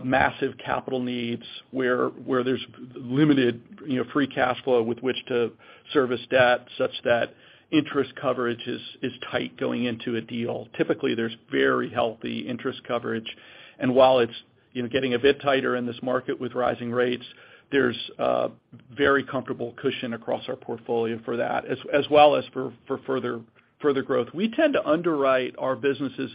massive capital needs where there's limited, you know, free cash flow with which to service debt such that interest coverage is tight going into a deal. Typically, there's very healthy interest coverage. While it's, you know, getting a bit tighter in this market with rising rates, there's a very comfortable cushion across our portfolio for that as well as for further growth. We tend to underwrite our businesses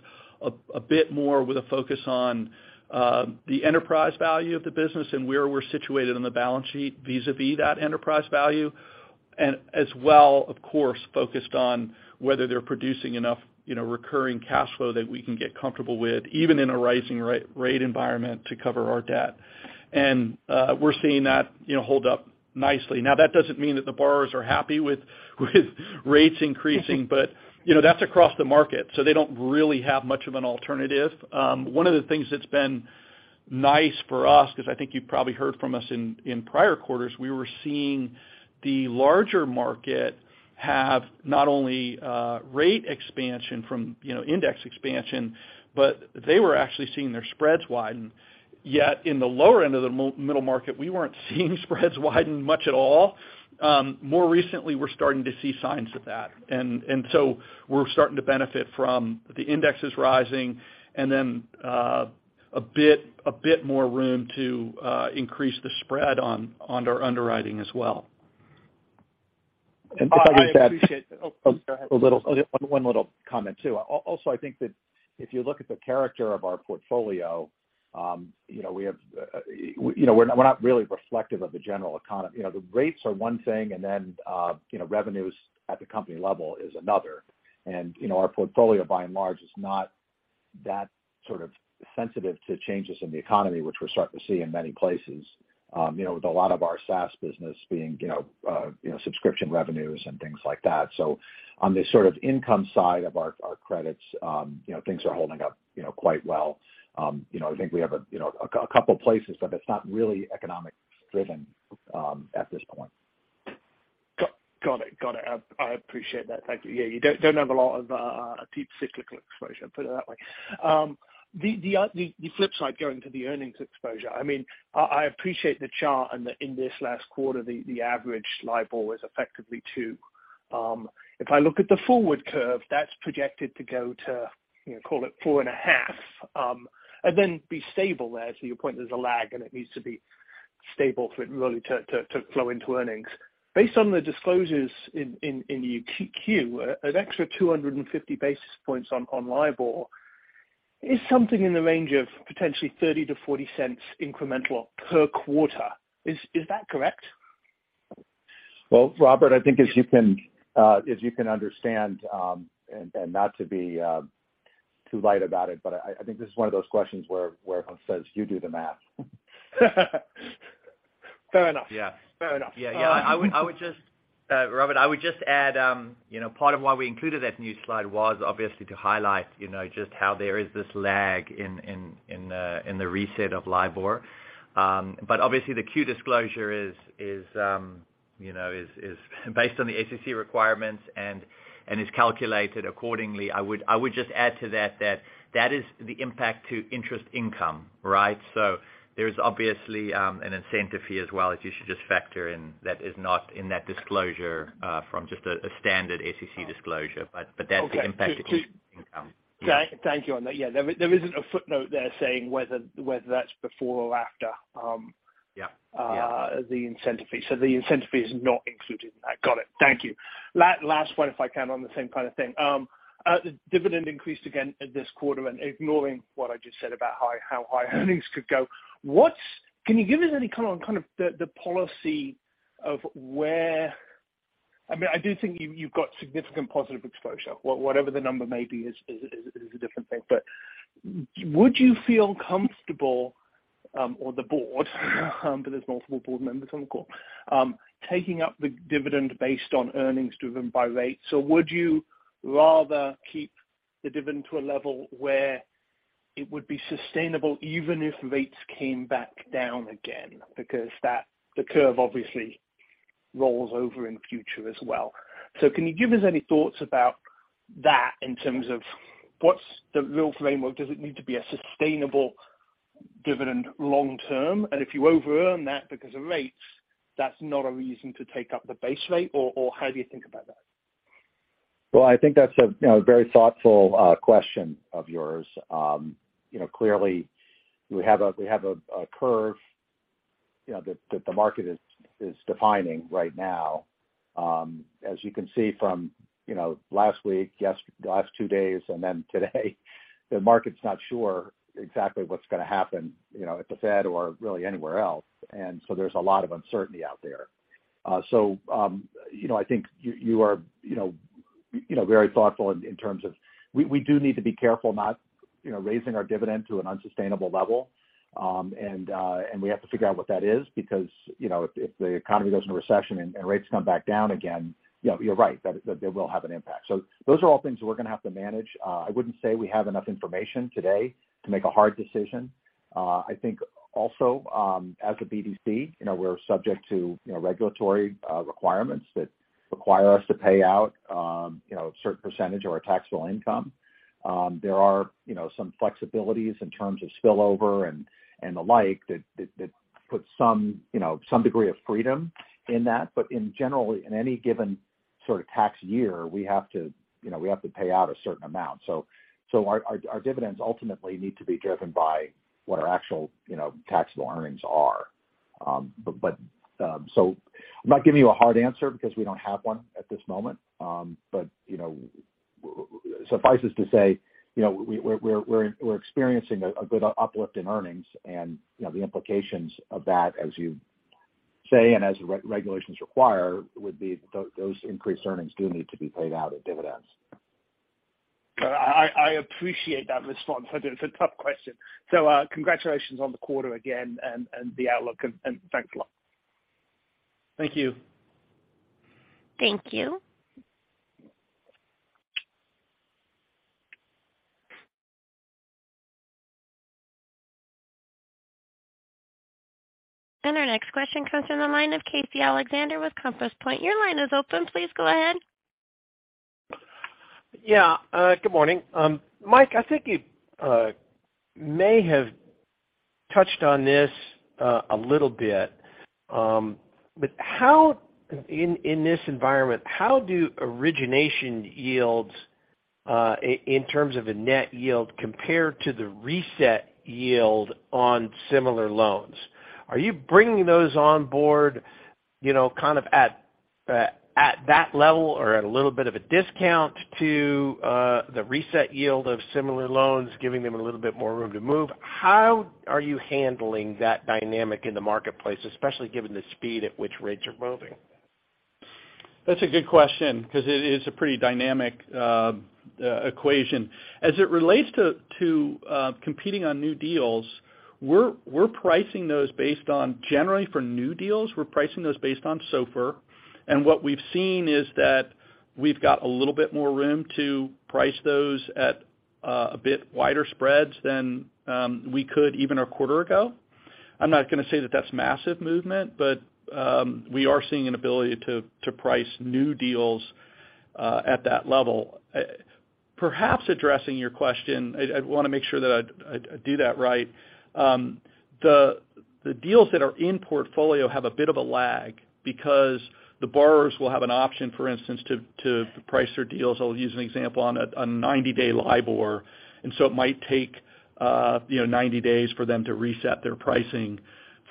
a bit more with a focus on the enterprise value of the business and where we're situated on the balance sheet vis-a-vis that enterprise value. As well, of course, focused on whether they're producing enough, you know, recurring cash flow that we can get comfortable with, even in a rising rate environment to cover our debt. We're seeing that, you know, hold up nicely. Now, that doesn't mean that the borrowers are happy with rates increasing, but you know, that's across the market, so they don't really have much of an alternative. One of the things that's been nice for us, because I think you've probably heard from us in prior quarters, we were seeing the larger market have not only rate expansion from, you know, index expansion, but they were actually seeing their spreads widen. Yet, in the lower end of the middle market, we weren't seeing spreads widen much at all. More recently, we're starting to see signs of that. And so we're starting to benefit from the indexes rising and then a bit more room to increase the spread on our underwriting as well.
Because of that.
I appreciate that. Oh, go ahead.
A little, one little comment too. Also, I think that if you look at the character of our portfolio, you know, we have, you know, we're not really reflective of the general economy. You know, the rates are one thing and then, you know, revenues at the company level is another. You know, our portfolio by and large is not that sort of sensitive to changes in the economy, which we're starting to see in many places, you know, with a lot of our SaaS business being, you know, you know, subscription revenues and things like that. On the sort of income side of our credits, you know, things are holding up, you know, quite well. You know, I think we have a couple of places, but it's not really economic driven, at this point.
Got it. I appreciate that. Thank you. Yeah, you don't have a lot of deep cyclical exposure, put it that way. The flip side going to the earnings exposure. I mean, I appreciate the chart and that in this last quarter, the average LIBOR was effectively two. If I look at the forward curve, that's projected to go to, you know, call it 4.5, and then be stable there. To your point, there's a lag and it needs to be stable for it really to flow into earnings. Based on the disclosures in the Q2, an extra 250 basis points on LIBOR. It's something in the range of potentially $0.30-$0.40 incremental per quarter. Is that correct?
Well, Robert, I think as you can understand, and not to be too light about it, but I think this is one of those questions where one says you do the math.
Fair enough.
Yeah.
Fair enough. I would just add, Robert, you know, part of why we included that new slide was obviously to highlight, you know, just how there is this lag in the reset of LIBOR. Obviously the Q disclosure is based on the SEC requirements and is calculated accordingly. I would just add to that is the impact to interest income, right? There's obviously an incentive fee as well that you should just factor in that is not in that disclosure from just a standard SEC disclosure. That's the impact to interest income.
Okay. Thank you on that. Yeah. There isn't a footnote there saying whether that's before or after.
Yeah. Yeah
The incentive fee. The incentive fee is not included in that. Got it. Thank you. Last one, if I can, on the same kind of thing. The dividend increased again at this quarter, and ignoring what I just said about how high earnings could go, Can you give us any comment on kind of the policy of where I mean, I do think you've got significant positive exposure. Whatever the number may be is a different thing. But would you feel comfortable, or the board, there's multiple board members on the call, taking up the dividend based on earnings driven by rates? Or would you rather keep the dividend to a level where it would be sustainable even if rates came back down again? That the curve obviously rolls over in future as well. Can you give us any thoughts about that in terms of what's the real framework? Does it need to be a sustainable dividend long term? If you over earn that because of rates, that's not a reason to take up the base rate, or how do you think about that?
Well, I think that's a you know very thoughtful question of yours. You know, clearly we have a curve you know that the market is defining right now. As you can see from you know last week, yes, the last two days and then today, the market's not sure exactly what's gonna happen you know at the Fed or really anywhere else. There's a lot of uncertainty out there. You know, I think you are you know very thoughtful in terms of we do need to be careful not raising our dividend to an unsustainable level. We have to figure out what that is because, you know, if the economy goes into recession and rates come back down again, you know, you're right, that there will have an impact. Those are all things we're gonna have to manage. I wouldn't say we have enough information today to make a hard decision. I think also, as a BDC, you know, we're subject to, you know, regulatory requirements that require us to pay out, you know, a certain percentage of our taxable income. There are, you know, some flexibilities in terms of spillover and the like that put some, you know, some degree of freedom in that. In general, in any given sort of tax year, we have to pay out a certain amount. Our dividends ultimately need to be driven by what our actual, you know, taxable earnings are. I'm not giving you a hard answer because we don't have one at this moment. You know, suffice it to say, you know, we're experiencing a good uplift in earnings and, you know, the implications of that, as you say, and as regulations require, would be those increased earnings do need to be paid out in dividends.
I appreciate that response. It's a tough question. Congratulations on the quarter again and the outlook and thanks a lot.
Thank you.
Thank you. Our next question comes from the line of Casey Alexander with Compass Point. Your line is open. Please go ahead.
Yeah. Good morning. Mike, I think you may have touched on this a little bit. How in this environment do origination yields in terms of a net yield compare to the reset yield on similar loans? Are you bringing those on board, you know, kind of at that level or at a little bit of a discount to the reset yield of similar loans, giving them a little bit more room to move? How are you handling that dynamic in the marketplace, especially given the speed at which rates are moving?
That's a good question because it is a pretty dynamic equation. As it relates to competing on new deals, we're pricing those based on SOFR. What we've seen is that we've got a little bit more room to price those at a bit wider spreads than we could even a quarter ago. I'm not gonna say that that's massive movement, but we are seeing an ability to price new deals at that level. Perhaps addressing your question, I wanna make sure that I do that right. The deals that are in portfolio have a bit of a lag because the borrowers will have an option, for instance, to price their deals. I'll use an example on a 90-day LIBOR. It might take. You know, 90 days for them to reset their pricing,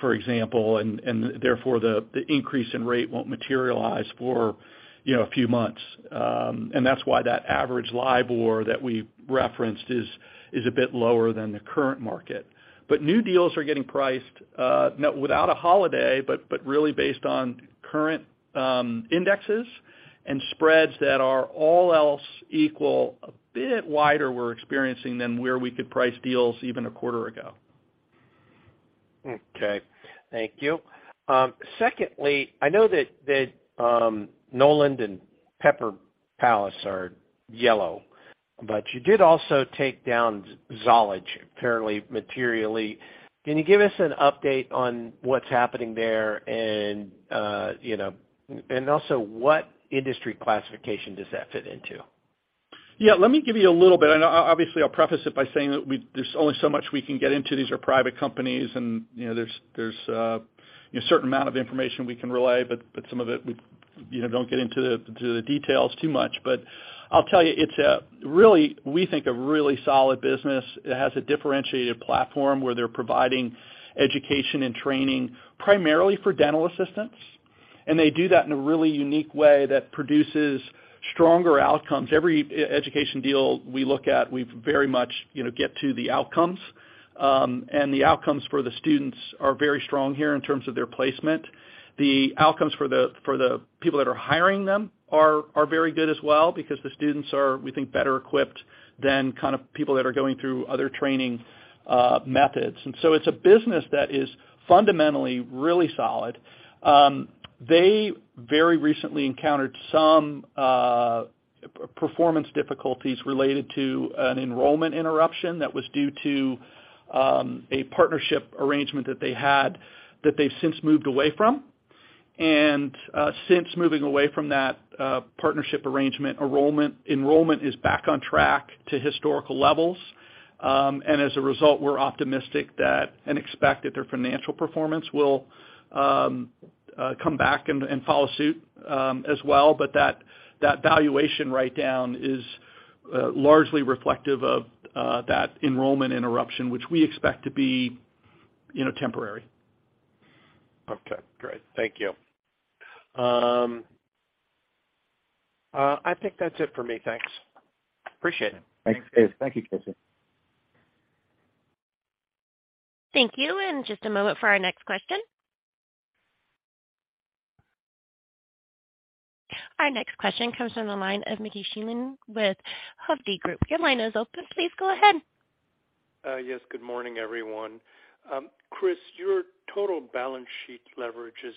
for example, and therefore, the increase in rate won't materialize for, you know, a few months. That's why that average LIBOR that we referenced is a bit lower than the current market. New deals are getting priced without a holiday, but really based on current indexes and spreads that are all else equal, a bit wider we're experiencing than where we could price deals even a quarter ago.
Okay. Thank you. Secondly, I know that Nolan and Pepper Palace are yellow, but you did also take down Zollege, apparently materially. Can you give us an update on what's happening there and, you know, and also what industry classification does that fit into?
Yeah, let me give you a little bit. Obviously, I'll preface it by saying there's only so much we can get into. These are private companies and, you know, there's a certain amount of information we can relay, but some of it, we, you know, don't get into the details too much. I'll tell you, it's a really, we think a really solid business. It has a differentiated platform where they're providing education and training primarily for dental assistants. They do that in a really unique way that produces stronger outcomes. Every education deal we look at, we very much, you know, get to the outcomes. The outcomes for the students are very strong here in terms of their placement. The outcomes for the people that are hiring them are very good as well because the students are, we think, better equipped than kind of people that are going through other training methods. It's a business that is fundamentally really solid. They very recently encountered some performance difficulties related to an enrollment interruption that was due to a partnership arrangement that they had that they since moved away from. Since moving away from that partnership arrangement, enrollment is back on track to historical levels. As a result, we're optimistic that and expect that their financial performance will come back and follow suit as well. That valuation write-down is largely reflective of that enrollment interruption, which we expect to be, you know, temporary.
Okay, great. Thank you. I think that's it for me. Thanks.
Appreciate it.
Thanks, Chris. Thank you, Casey.
Thank you. Just a moment for our next question. Our next question comes from the line of Mickey Schleien with Hovde Group. Your line is open. Please go ahead.
Yes, good morning, everyone. Chris, your total balance sheet leverage is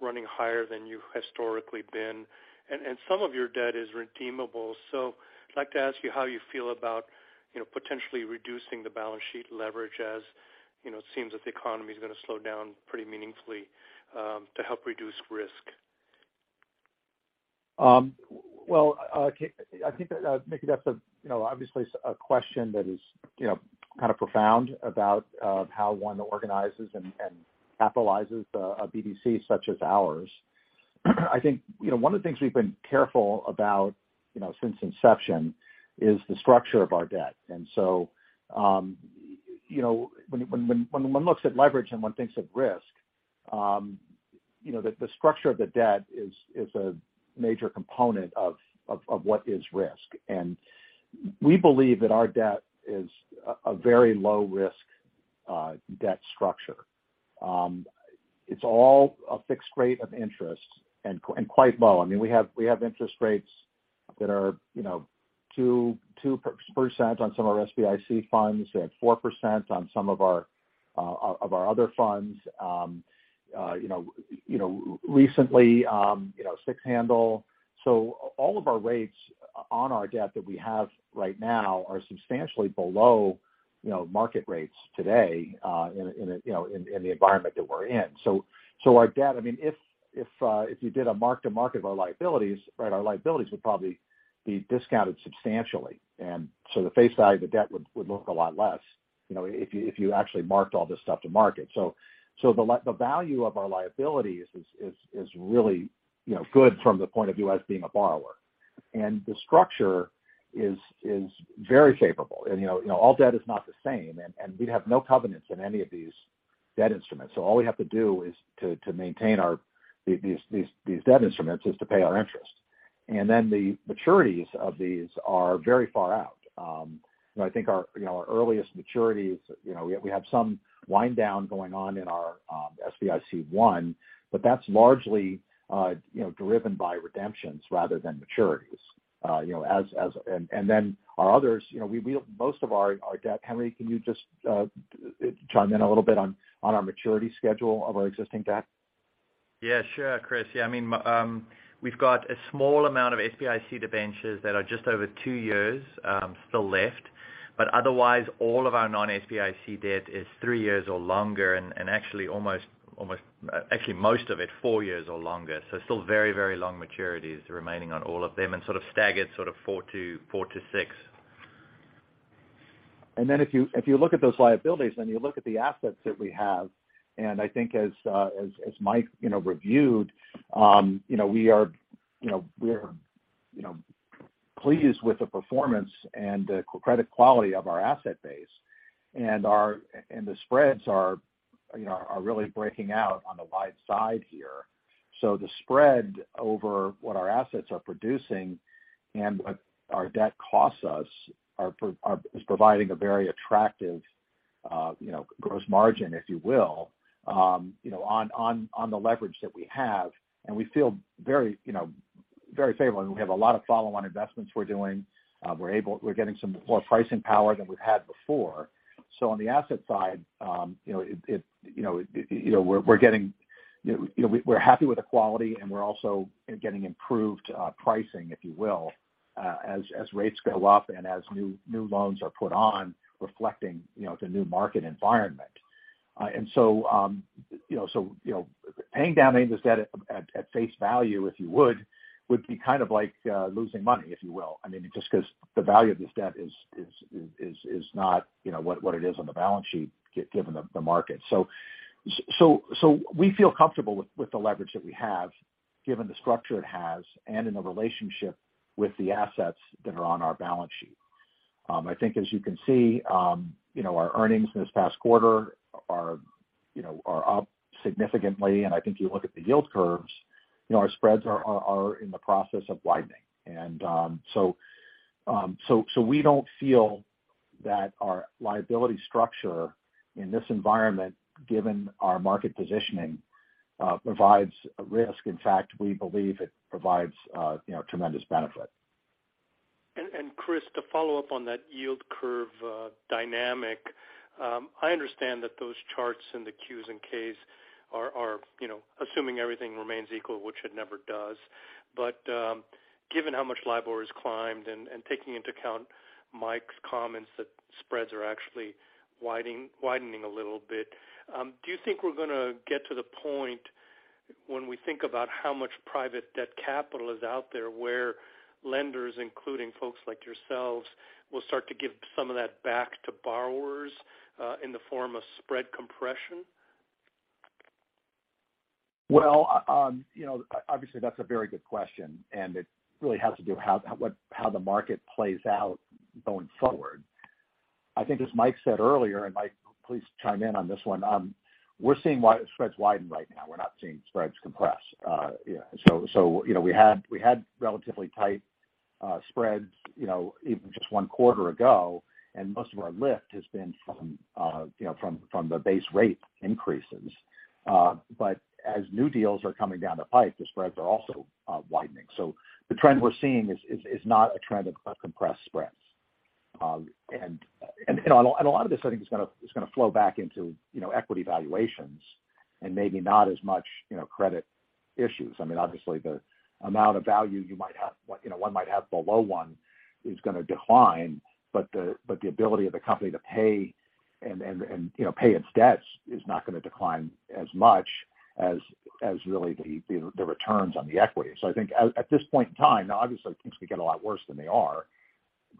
running higher than you've historically been, and some of your debt is redeemable. I'd like to ask you how you feel about, you know, potentially reducing the balance sheet leverage, as, you know, it seems that the economy is gonna slow down pretty meaningfully to help reduce risk.
I think that, Mickey, that's a, you know, obviously a question that is, you know, kind of profound about how one organizes and capitalizes a BDC such as ours. I think, you know, one of the things we've been careful about, you know, since inception is the structure of our debt. When one looks at leverage and one thinks of risk, you know, the structure of the debt is a major component of what is risk. We believe that our debt is a very low risk debt structure. It's all a fixed rate of interest and quite low. I mean, we have interest rates that are, you know, 2% on some of our SBIC funds and 4% on some of our other funds, you know, recently, you know, six handle. All of our rates on our debt that we have right now are substantially below, you know, market rates today, in the environment that we're in. Our debt, I mean, if you did a mark-to-market of our liabilities, right? Our liabilities would probably be discounted substantially. The face value of the debt would look a lot less, you know, if you actually marked all this stuff to market. The value of our liabilities is really, you know, good from the point of view as being a borrower. The structure is very favorable. You know, all debt is not the same, and we'd have no covenants in any of these debt instruments. All we have to do is to maintain these debt instruments is to pay our interest. Then the maturities of these are very far out. I think, you know, our earliest maturities, you know, we have some wind down going on in our SBIC I, but that's largely, you know, driven by redemptions rather than maturities. Then our others, you know, we most of our debt. Henry, can you just, chime in a little bit on our maturity schedule of our existing debt?
Yeah, sure, Chris. Yeah, I mean, we've got a small amount of SBIC debentures that are just over two years still left. Otherwise, all of our non-SBIC debt is three years or longer and actually almost actually most of it, four years or longer. Still very, very long maturities remaining on all of them and sort of staggered sort of 4-6.
If you look at those liabilities and you look at the assets that we have, and I think as Mike you know reviewed, you know, we are, you know, we're, you know, pleased with the performance and the credit quality of our asset base. The spreads are, you know, really breaking out on the wide side here. The spread over what our assets are producing and what our debt costs us is providing a very attractive, you know, gross margin, if you will, you know, on the leverage that we have. We feel very, you know, very favorable. We have a lot of follow-on investments we're doing. We're able. We're getting some more pricing power than we've had before. On the asset side, you know, it, you know, we're getting, you know, we're happy with the quality, and we're also, you know, getting improved pricing, if you will, as rates go up and as new loans are put on reflecting, you know, the new market environment. Paying down any of this debt at face value, if you would be kind of like losing money, if you will. I mean, just because the value of this debt is not, you know, what it is on the balance sheet given the market. We feel comfortable with the leverage that we have given the structure it has and in the relationship with the assets that are on our balance sheet. I think as you can see, you know, our earnings this past quarter are, you know, up significantly. I think you look at the yield curves, you know, our spreads are in the process of widening. We don't feel that our liability structure in this environment, given our market positioning, provides a risk. In fact, we believe it provides, you know, tremendous benefit.
Chris, to follow up on that yield curve dynamic. I understand that those charts in the Qs and Ks are, you know, assuming everything remains equal, which it never does. Given how much LIBOR has climbed and taking into account Mike's comments that spreads are actually widening a little bit, do you think we're gonna get to the point when we think about how much private debt capital is out there, where lenders, including folks like yourselves, will start to give some of that back to borrowers in the form of spread compression?
Well, you know, obviously, that's a very good question, and it really has to do with how the market plays out going forward. I think as Mike said earlier, and Mike, please chime in on this one. We're seeing spreads widen right now. We're not seeing spreads compress. You know, we had relatively tight spreads, you know, even just one quarter ago, and most of our lift has been from the base rate increases. As new deals are coming down the pipe, the spreads are also widening. The trend we're seeing is not a trend of compressed spreads. A lot of this I think is gonna flow back into, you know, equity valuations and maybe not as much, you know, credit issues. I mean, obviously the amount of value one might have below one is gonna decline. But the ability of the company to pay, you know, pay its debts is not gonna decline as much as really the returns on the equity. I think at this point in time, now obviously things could get a lot worse than they are.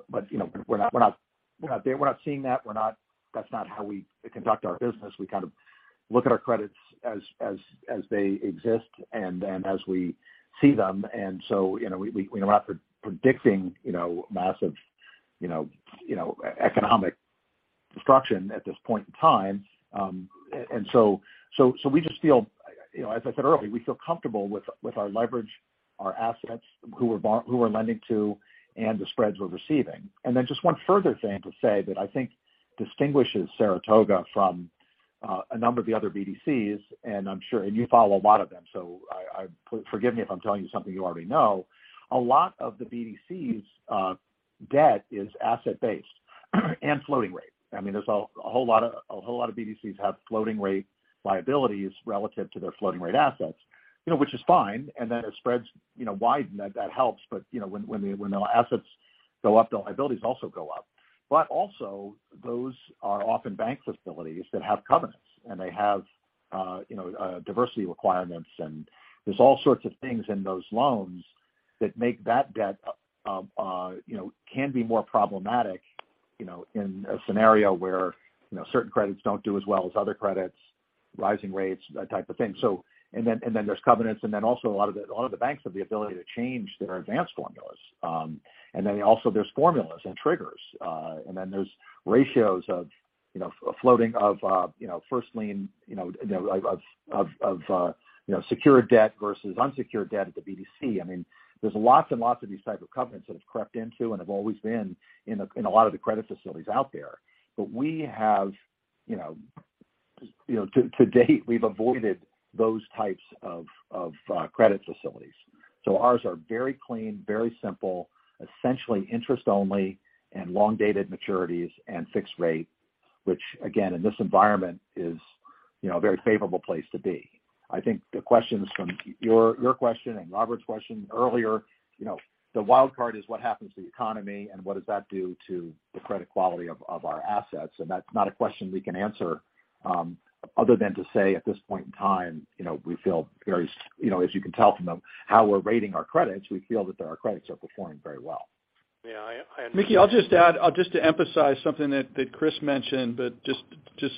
But, you know, we're not there. We're not seeing that. That's not how we conduct our business. We kind of look at our credits as they exist and as we see them. We are not predicting you know massive economic destruction at this point in time. We just feel you know as I said earlier we feel comfortable with our leverage our assets who we're lending to and the spreads we're receiving. Then just one further thing to say that I think distinguishes Saratoga from a number of the other BDCs and I'm sure you follow a lot of them so I forgive me if I'm telling you something you already know. A lot of the BDCs' debt is asset-based and floating rate. I mean, there's a whole lot of BDCs have floating rate liabilities relative to their floating rate assets. You know, which is fine. As spreads, you know, widen, that helps. You know, when the assets go up, the liabilities also go up. Also those are often bank facilities that have covenants. They have, you know, diversity requirements. There's all sorts of things in those loans that make that debt, you know, can be more problematic, you know, in a scenario where, you know, certain credits don't do as well as other credits, rising rates, that type of thing. There's covenants. Also a lot of the banks have the ability to change their advance formulas. There's formulas and triggers. There's ratios of, you know, floating of first lien secured debt versus unsecured debt at the BDC. I mean, there's lots and lots of these type of covenants that have crept into and have always been in a lot of the credit facilities out there. We have, you know, to date, we've avoided those types of credit facilities. Ours are very clean, very simple, essentially interest only and long-dated maturities and fixed rate, which again, in this environment is, you know, a very favorable place to be. I think the questions from your question and Robert's question earlier, you know, the wild card is what happens to the economy and what does that do to the credit quality of our assets. That's not a question we can answer, other than to say at this point in time, you know, we feel very, you know, as you can tell from how we're rating our credits, we feel that our credits are performing very well.
Yeah.
Mickey, I'll just add just to emphasize something that Chris mentioned, but just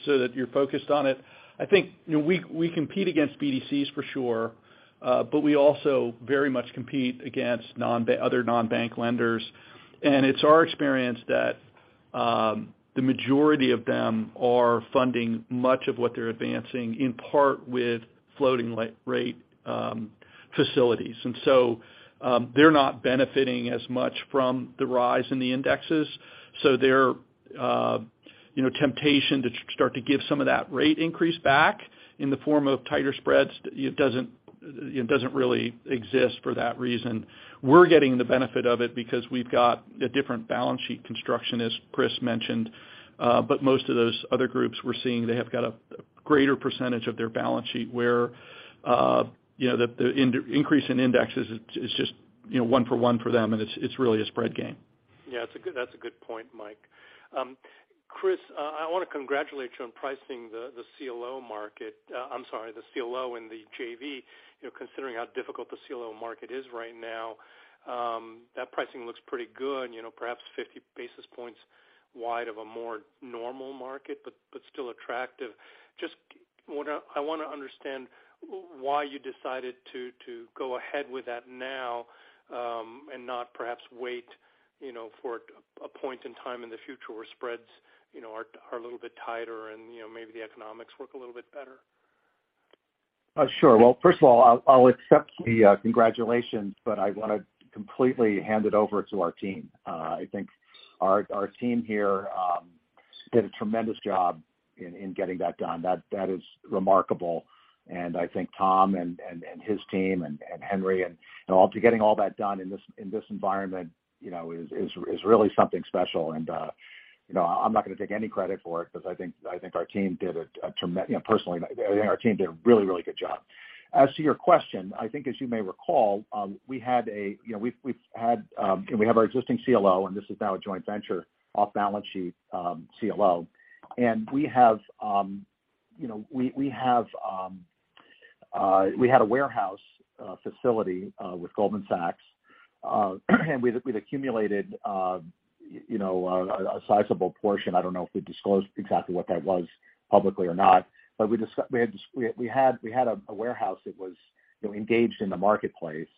so that you're focused on it. I think, you know, we compete against BDCs for sure. But we also very much compete against other non-bank lenders. It's our experience that the majority of them are funding much of what they're advancing, in part with floating rate facilities. They're not benefiting as much from the rise in the indexes. Their temptation to start to give some of that rate increase back in the form of tighter spreads doesn't really exist for that reason. We're getting the benefit of it because we've got a different balance sheet construction, as Chris mentioned. Most of those other groups we're seeing, they have got a greater percentage of their balance sheet where, you know, the increase in indexes is just, you know, one for one for them, and it's really a spread game.
That's a good point, Mike. Chris, I wanna congratulate you on pricing the CLO and the JV, you know, considering how difficult the CLO market is right now. That pricing looks pretty good, you know, perhaps 50 basis points wide of a more normal market, but still attractive. I wanna understand why you decided to go ahead with that now, and not perhaps wait, you know, for a point in time in the future where spreads, you know, are a little bit tighter and, you know, maybe the economics work a little bit better.
Sure. Well, first of all, I'll accept the congratulations, but I want to completely hand it over to our team. I think our team here did a tremendous job in getting that done. That is remarkable. I think Tom and his team and Henry in getting all that done in this environment, you know, is really something special. You know, I'm not gonna take any credit for it because you know, personally, I think our team did a really, really good job. As to your question, I think as you may recall, you know, we've had and we have our existing CLO, and this is now a joint venture off-balance-sheet CLO. We have, you know, we had a warehouse facility with Goldman Sachs. We'd accumulated, you know, a sizable portion. I don't know if we disclosed exactly what that was publicly or not. We had a warehouse that was, you know, engaged in the marketplace.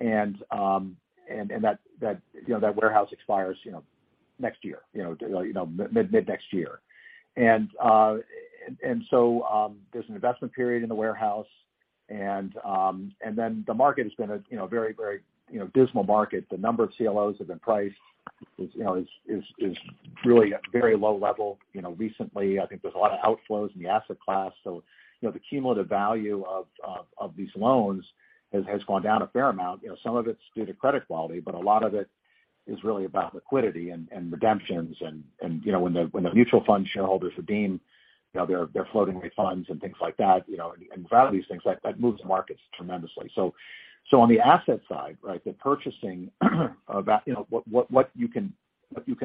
That warehouse expires, you know, next year, you know, mid-next year. So there's an investment period in the warehouse. Then the market has been a, you know, very dismal market. The number of CLOs have been priced is really at very low level. You know, recently, I think there's a lot of outflows in the asset class. You know, the cumulative value of these loans has gone down a fair amount. You know, some of it's due to credit quality, but a lot of it is really about liquidity and redemptions and, you know, when the mutual fund shareholders redeem, you know, their floating rate funds and things like that, you know, and the value of these things, that moves the markets tremendously. On the asset side, right, the purchasing, you know, what you can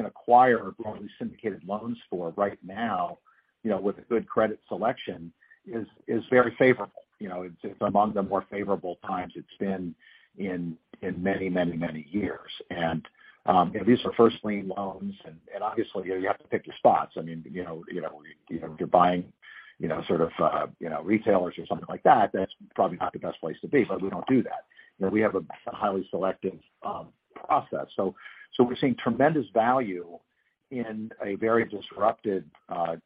acquire broadly syndicated loans for right now, you know, with a good credit selection is very favorable. You know, it's among the more favorable times it's been in many years. You know, these are first lien loans. Obviously, you know, you have to pick your spots. I mean, you know, if you're buying, you know, sort of, you know, retailers or something like that's probably not the best place to be, but we don't do that. You know, we have a highly selective process. We're seeing tremendous value in a very disrupted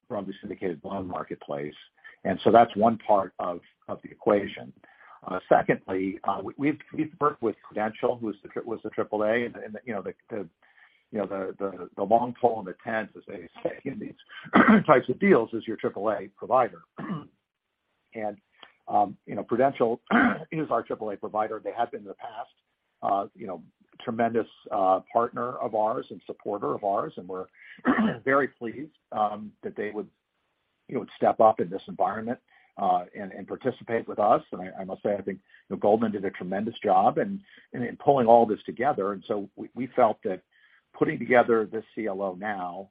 broadly syndicated loan marketplace. That's one part of the equation. Secondly, we've worked with Prudential, who was the triple-A. You know, the long pole in the tent, as they say in these types of deals, is your triple-A provider. You know, Prudential is our triple-A provider. They have been in the past, you know, tremendous partner of ours and supporter of ours, and we're very pleased that they would, you know, step up in this environment, and participate with us. I must say, I think, you know, Goldman Sachs did a tremendous job in pulling all this together. We felt that putting together this CLO now,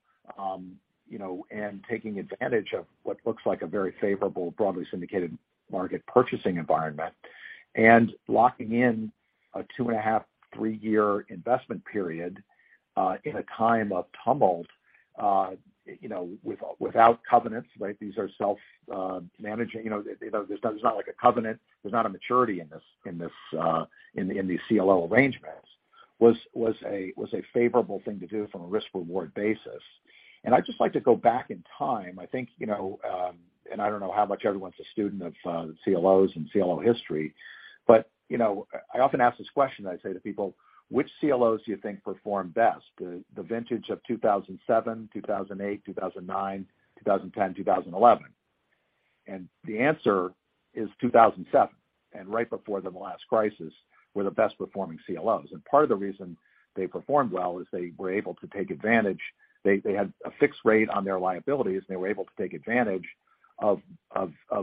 you know, and taking advantage of what looks like a very favorable, broadly syndicated market purchasing environment. Locking in a 2.5-3-year investment period in a time of tumult, you know, without covenants, right? These are self managing. You know, there's not like a covenant. There's not a maturity in this, in these CLO arrangements. Was a favorable thing to do from a risk-reward basis. I'd just like to go back in time. I think, you know, and I don't know how much everyone's a student of, CLOs and CLO history. You know, I often ask this question, I say to people, "Which CLOs do you think perform best? The vintage of 2007, 2008, 2009, 2010, 2011?" The answer is 2007. Right before the last crisis were the best performing CLOs. Part of the reason they performed well is they were able to take advantage. They had a fixed rate on their liabilities, and they were able to take advantage of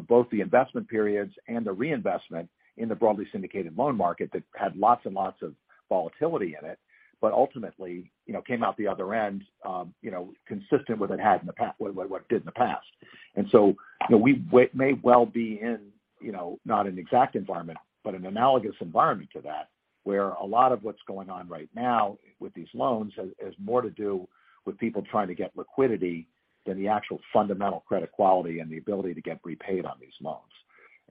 both the investment periods and the reinvestment in the broadly syndicated loan market that had lots and lots of volatility in it. But ultimately, you know, came out the other end, you know, consistent with what it did in the past. You know, we may well be in, you know, not an exact environment, but an analogous environment to that.
A lot of what's going on right now with these loans has more to do with people trying to get liquidity than the actual fundamental credit quality and the ability to get prepaid on these loans.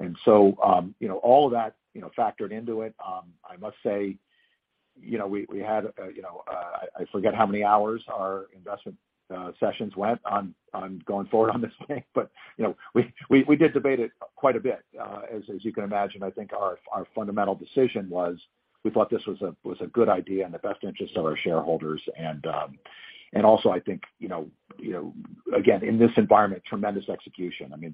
You know, all of that, you know, factored into it. I must say, you know, we had, you know, I forget how many hours our investment sessions went on going forward on this thing. You know, we did debate it quite a bit, as you can imagine. I think our fundamental decision was we thought this was a good idea in the best interest of our shareholders. I think, you know, again, in this environment, tremendous execution. I mean,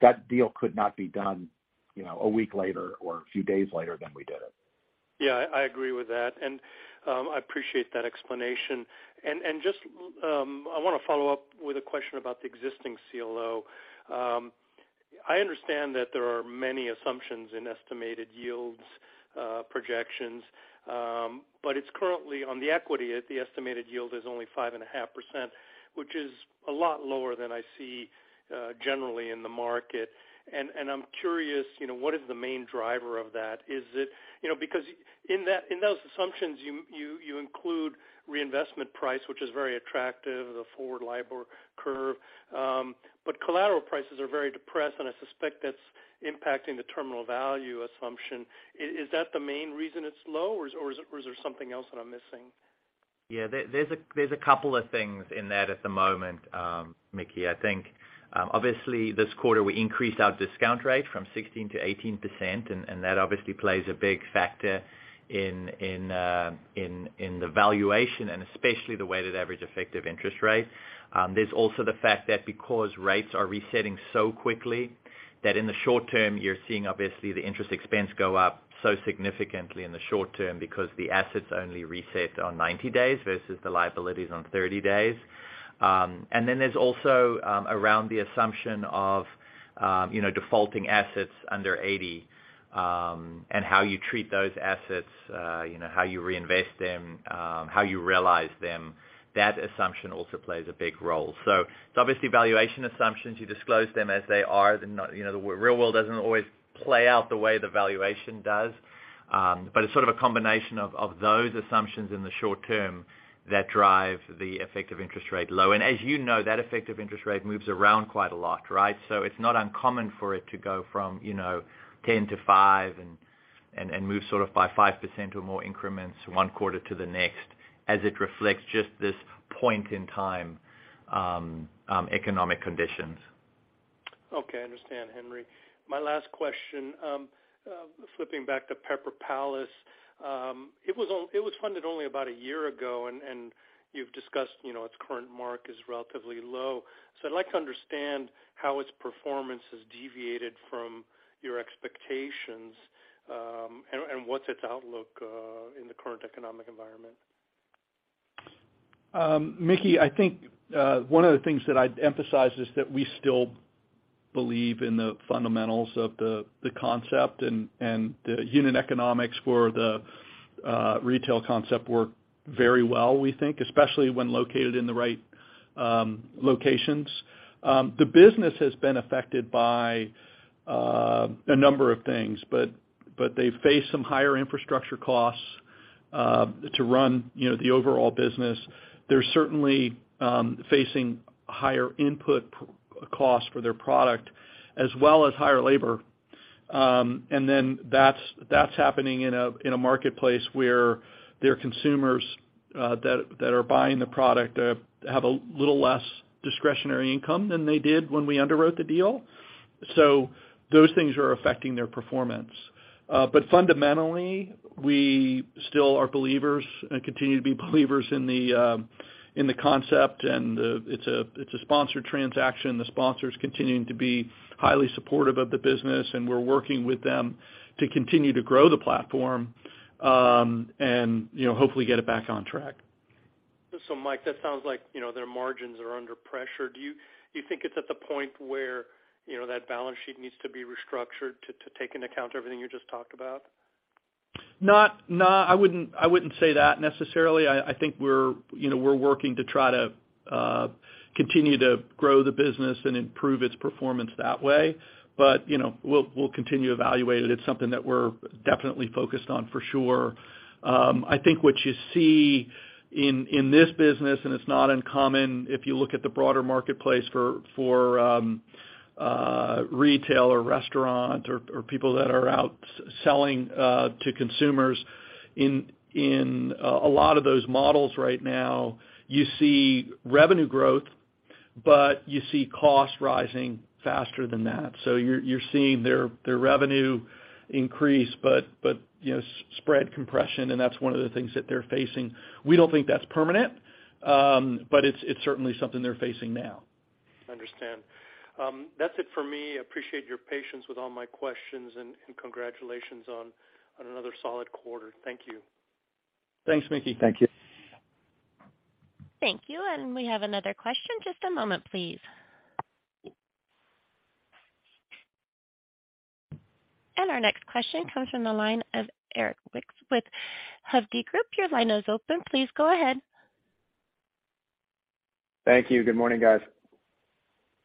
that deal could not be done, you know, a week later or a few days later than we did it.
Yeah. I agree with that. I appreciate that explanation. I wanna follow up with a question about the existing CLO. I understand that there are many assumptions in estimated yields projections. But it's currently on the equity, the estimated yield is only 5.5%, which is a lot lower than I see generally in the market. I'm curious, you know, what is the main driver of that? Is it, you know, because in that, in those assumptions you include reinvestment price, which is very attractive, the forward LIBOR curve. But collateral prices are very depressed, and I suspect that's impacting the terminal value assumption. Is that the main reason it's low, or is there something else that I'm missing?
Yeah. There's a couple of things in that at the moment, Mickey. I think, obviously this quarter we increased our discount rate from 16% to 18%, and that obviously plays a big factor in the valuation, and especially the weighted average effective interest rate. There's also the fact that because rates are resetting so quickly, that in the short term, you're seeing obviously the interest expense go up so significantly in the short term because the assets only reset on 90 days versus the liabilities on 30 days. And then there's also around the assumption of, you know, defaulting assets under 80, and how you treat those assets, you know, how you reinvest them, how you realize them. That assumption also plays a big role. So it's obviously valuation assumptions. You disclose them as they are. They're not, you know, the real world doesn't always play out the way the valuation does. It's sort of a combination of those assumptions in the short term that drive the effective interest rate low. As you know, that effective interest rate moves around quite a lot, right? It's not uncommon for it to go from, you know, 10%-5% and move sort of by 5% or more increments one quarter to the next as it reflects just this point in time economic conditions.
Okay. I understand, Henry. My last question. Flipping back to Pepper Palace. It was funded only about a year ago, and you've discussed, you know, its current mark is relatively low. I'd like to understand how its performance has deviated from your expectations, and what's its outlook in the current economic environment.
Mickey, I think one of the things that I'd emphasize is that we still believe in the fundamentals of the concept and the unit economics for the retail concept work very well, we think, especially when located in the right locations. The business has been affected by a number of things. They face some higher infrastructure costs to run, you know, the overall business. They're certainly facing higher input cost for their product as well as higher labor. That's happening in a marketplace where their consumers that are buying the product have a little less discretionary income than they did when we underwrote the deal. Those things are affecting their performance. Fundamentally, we still are believers and continue to be believers in the concept. It's a sponsored transaction. The sponsor's continuing to be highly supportive of the business, and we're working with them to continue to grow the platform, and you know, hopefully get it back on track.
Mike, that sounds like, you know, their margins are under pressure. Do you think it's at the point where, you know, that balance sheet needs to be restructured to take into account everything you just talked about?
No, I wouldn't say that necessarily. I think we're, you know, we're working to try to continue to grow the business and improve its performance that way. You know, we'll continue to evaluate it. It's something that we're definitely focused on for sure. I think what you see in this business, and it's not uncommon if you look at the broader marketplace for retail or restaurant or people that are out selling to consumers in a lot of those models right now, you see revenue growth, but you see costs rising faster than that. You're seeing their revenue increase but, you know, spread compression, and that's one of the things that they're facing. We don't think that's permanent, but it's certainly something they're facing now.
I understand. That's it for me. I appreciate your patience with all my questions and congratulations on another solid quarter. Thank you.
Thanks, Mickey.
Thank you.
Thank you. We have another question. Just a moment, please. Our next question comes from the line of Erik Zwick with Hovde Group. Your line is open. Please go ahead.
Thank you. Good morning, guys.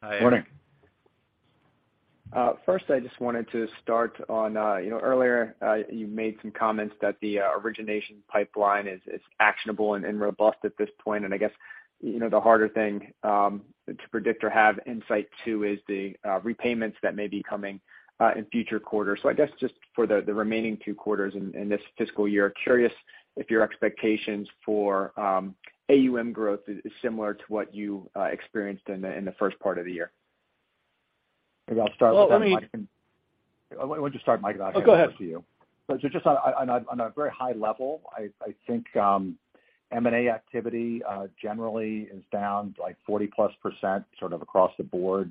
Hi.
Morning.
First, I just wanted to start on, you know, earlier, you made some comments that the origination pipeline is actionable and robust at this point. I guess, you know, the harder thing to predict or have insight to is the repayments that may be coming in future quarters. I guess just for the remaining two quarters in this fiscal year, curious if your expectations for AUM growth is similar to what you experienced in the first part of the year.
Maybe I'll start with that, Mike.
Well, let me
Why don't you start, Mike, and I'll add to you.
Go ahead.
Just on a very high level, I think M&A activity generally is down like 40%+ sort of across the board.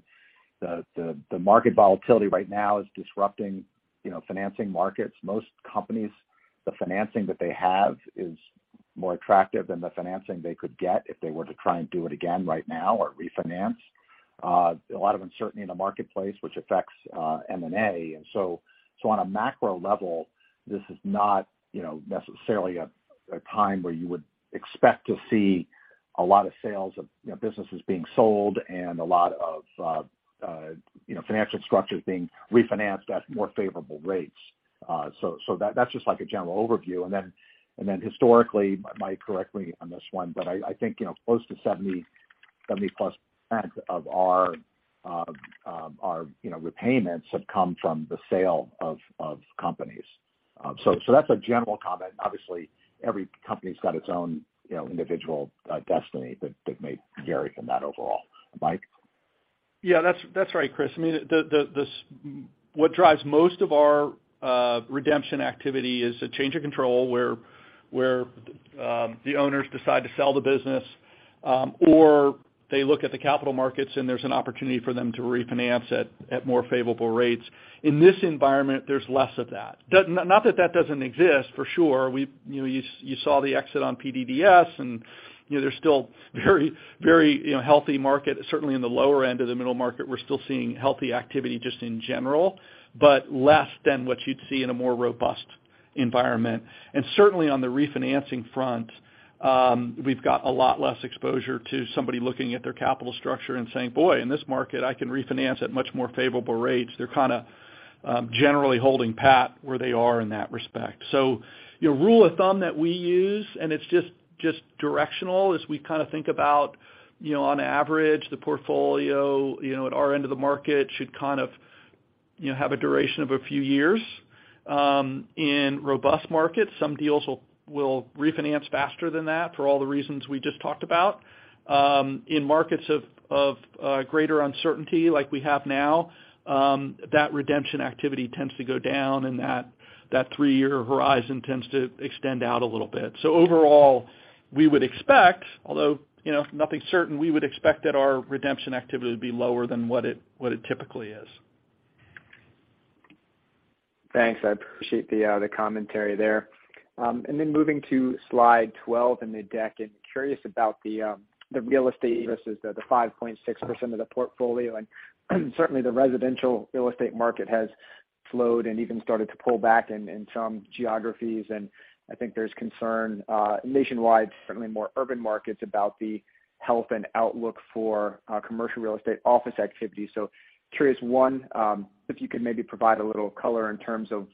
The market volatility right now is disrupting, you know, financing markets. Most companies, the financing that they have is more attractive than the financing they could get if they were to try and do it again right now or refinance. A lot of uncertainty in the marketplace, which affects M&A. On a macro level, this is not, you know, necessarily a time where you would expect to see a lot of sales of, you know, businesses being sold and a lot of, you know, financial structures being refinanced at more favorable rates. That, that's just like a general overview. Historically, Mike, correct me on this one, but I think, you know, close to 70-plus% of our repayments have come from the sale of companies. So that's a general comment. Obviously, every company's got its own, you know, individual destiny that may vary from that overall. Mike?
Yeah, that's right, Chris. I mean, what drives most of our redemption activity is a change of control where the owners decide to sell the business, or they look at the capital markets and there's an opportunity for them to refinance at more favorable rates. In this environment, there's less of that. Not that that doesn't exist, for sure. You know, you saw the exit on PDDS and, you know, there's still very healthy market. Certainly in the lower end of the middle market, we're still seeing healthy activity just in general, but less than what you'd see in a more robust environment. Certainly on the refinancing front, we've got a lot less exposure to somebody looking at their capital structure and saying, "Boy, in this market, I can refinance at much more favorable rates." They're kind of generally holding pat where they are in that respect. A rule of thumb that we use, and it's just directional, is we kind of think about, you know, on average, the portfolio, you know, at our end of the market should kind of, you know, have a duration of a few years. In robust markets, some deals will refinance faster than that for all the reasons we just talked about. In markets of greater uncertainty like we have now, that redemption activity tends to go down and that three-year horizon tends to extend out a little bit. Overall, we would expect, although, you know, nothing certain, we would expect that our redemption activity would be lower than what it typically is.
Thanks. I appreciate the commentary there. Moving to slide 12 in the deck, curious about the real estate versus the 5.6% of the portfolio. Certainly the residential real estate market has slowed and even started to pull back in some geographies. I think there's concern nationwide, certainly more urban markets about the health and outlook for commercial real estate office activity. Curious, one, if you could maybe provide a little color in terms of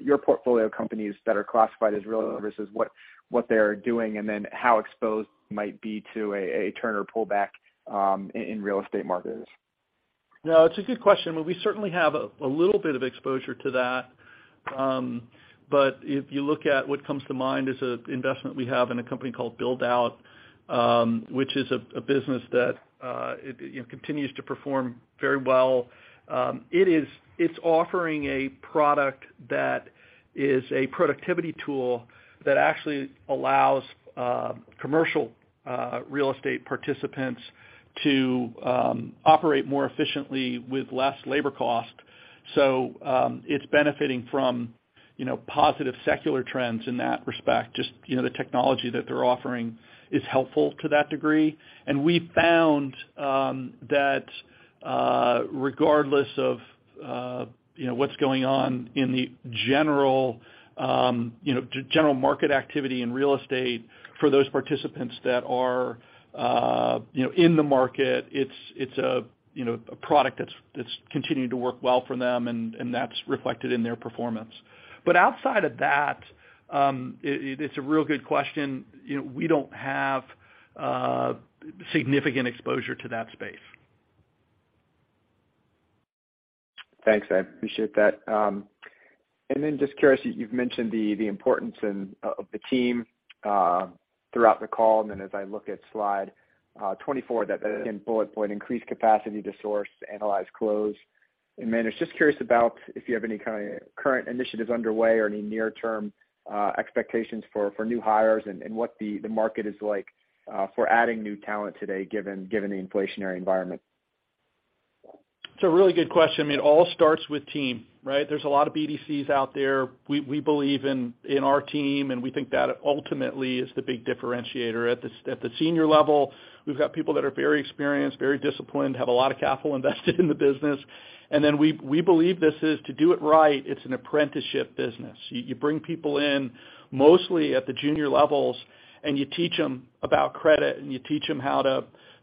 your portfolio companies that are classified as real versus what they are doing and then how exposed might be to a turn or pullback in real estate markets.
No, it's a good question. We certainly have a little bit of exposure to that. If you look at what comes to mind is an investment we have in a company called Buildout, which is a business that you know continues to perform very well. It's offering a product that is a productivity tool that actually allows commercial real estate participants to operate more efficiently with less labor cost. It's benefiting from you know positive secular trends in that respect. Just you know the technology that they're offering is helpful to that degree. We found that regardless of you know what's going on in the general you know general market activity in real estate for those participants that are you know in the market, it's a you know a product that's continuing to work well for them and that's reflected in their performance. But outside of that, it's a real good question. You know, we don't have significant exposure to that space.
Thanks. I appreciate that. Just curious, you've mentioned the importance of the team throughout the call, and then as I look at slide 24, that again bullet point, increased capacity to source, to analyze close and manage. Just curious about if you have any kind of current initiatives underway or any near-term expectations for new hires and what the market is like for adding new talent today given the inflationary environment.
It's a really good question. I mean, it all starts with team, right? There's a lot of BDCs out there. We believe in our team, and we think that ultimately is the big differentiator. At the senior level, we've got people that are very experienced, very disciplined, have a lot of capital invested in the business. We believe this is to do it right, it's an apprenticeship business. You bring people in mostly at the junior levels, and you teach them about credit, and you teach them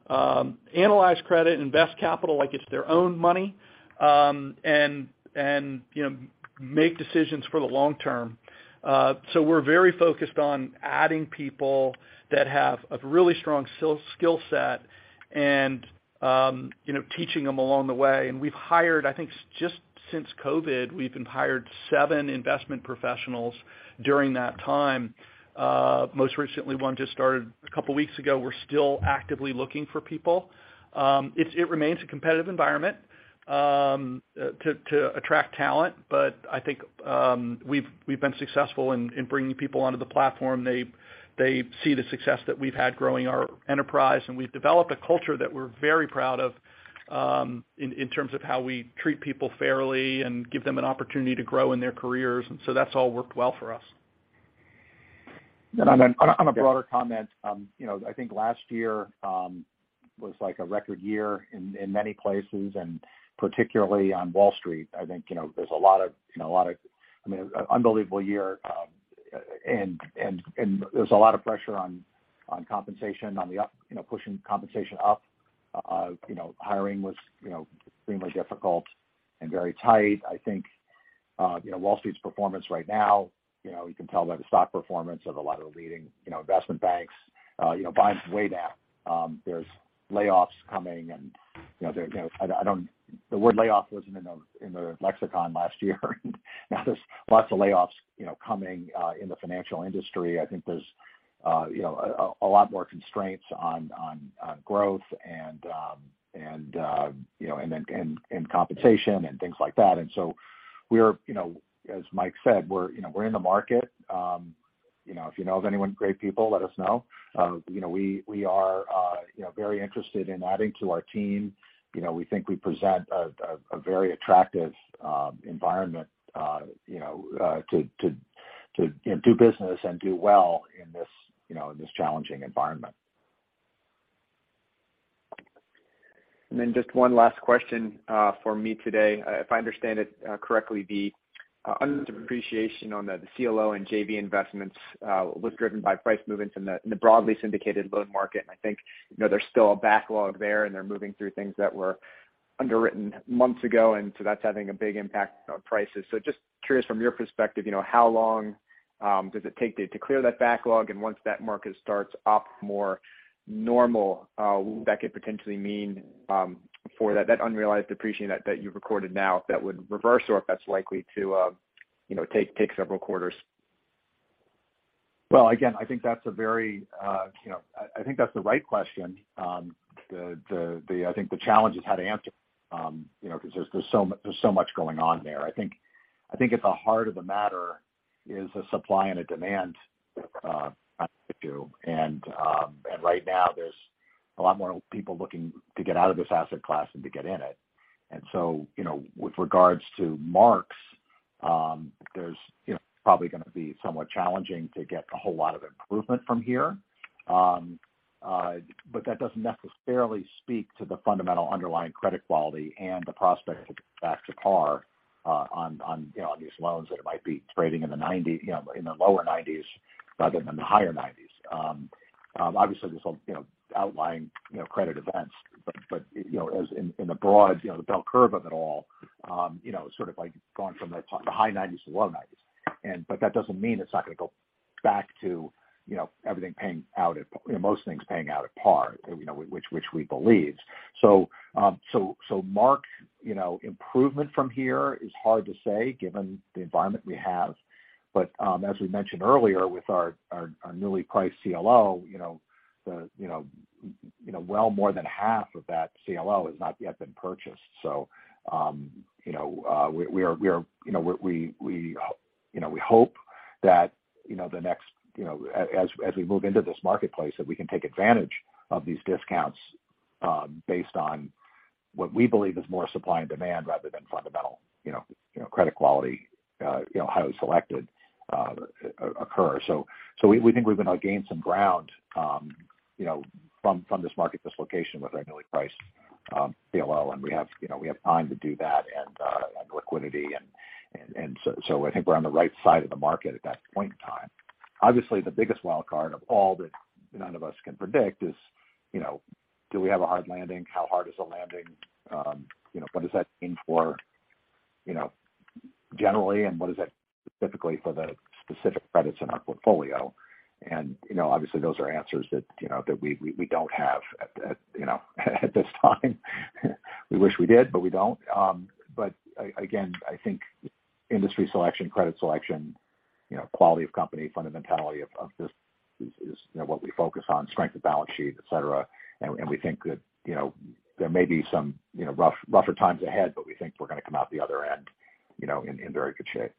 how to analyze credit, invest capital like it's their own money, and you know, make decisions for the long term. We're very focused on adding people that have a really strong skill set and you know, teaching them along the way. We've hired, I think, just since COVID, we've hired seven investment professionals during that time. Most recently, one just started a couple weeks ago. We're still actively looking for people. It remains a competitive environment to attract talent. I think, we've been successful in bringing people onto the platform. They see the success that we've had growing our enterprise. We've developed a culture that we're very proud of in terms of how we treat people fairly and give them an opportunity to grow in their careers. That's all worked well for us.
On a broader comment, you know, I think last year was like a record year in many places, and particularly on Wall Street. I think, you know, I mean, unbelievable year. There's a lot of pressure on compensation on the up, you know, pushing compensation up. You know, hiring was you know, extremely difficult and very tight. I think, you know, Wall Street's performance right now, you know, you can tell by the stock performance of a lot of the leading, you know, investment banks, you know, buying way down. There's layoffs coming and, you know, The word layoff wasn't in the lexicon last year. Now there's lots of layoffs, you know, coming in the financial industry. I think there's, you know, a lot more constraints on growth and then compensation and things like that. We are, you know, as Mike said, we're in the market. You know, if you know of anyone, great people, let us know. You know, we are, you know, very interested in adding to our team. You know, we think we present a very attractive environment, you know, to do business and do well in this, you know, in this challenging environment.
Then just one last question for me today. If I understand it correctly, the unrealized depreciation on the CLO and JV investments was driven by price movements in the broadly syndicated loan market. I think, you know, there's still a backlog there, and they're moving through things that were underwritten months ago, and so that's having a big impact on prices. Just curious from your perspective, you know, how long does it take to clear that backlog? Once that market starts up more normal, could that potentially mean for that unrealized depreciation that you've recorded now, if that would reverse or if that's likely to, you know, take several quarters?
Well, again, I think that's a very, you know, I think that's the right question. The challenge is how to answer, you know, 'cause there's so much going on there. I think at the heart of the matter is a supply and a demand issue. Right now there's a lot more people looking to get out of this asset class than to get in it. You know, with regards to marks, there's you know probably gonna be somewhat challenging to get a whole lot of improvement from here. That doesn't necessarily speak to the fundamental underlying credit quality and the prospects back to par, you know, on these loans that might be trading in the 90, you know, in the lower 90s rather than the higher 90s. Obviously, there's some, you know, outlying, you know, credit events. But you know, as in the broad, you know, the bell curve of it all, you know, sort of like gone from the high 90s to low 90s. That doesn't mean it's not gonna go back to, you know, everything paying out at, you know, most things paying out at par, you know, which we believe. Mark, you know, improvement from here is hard to say given the environment we have. As we mentioned earlier with our newly priced CLO, you know, well more than half of that CLO has not yet been purchased. We are, you know, we hope that, you know, as we move into this marketplace, that we can take advantage of these discounts, based on what we believe is more supply and demand rather than fundamental, you know, credit quality, you know, how it's selected, accrual. So we think we're gonna gain some ground, you know, from this market dislocation with our newly priced CLO. We have, you know, we have time to do that and liquidity and so I think we're on the right side of the market at that point in time. Obviously, the biggest wildcard of all that none of us can predict is, you know, do we have a hard landing? How hard is the landing? You know, what does that mean for, you know, generally and what does that specifically for the specific credits in our portfolio? You know, obviously, those are answers that, you know, that we don't have at, you know, at this time. We wish we did, but we don't. But again, I think industry selection, credit selection, you know, quality of company, fundamentality of this is, you know, what we focus on, strength of balance sheet, et cetera. We think that, you know, there may be some, you know, rougher times ahead, but we think we're gonna come out the other end, you know, in very good shape.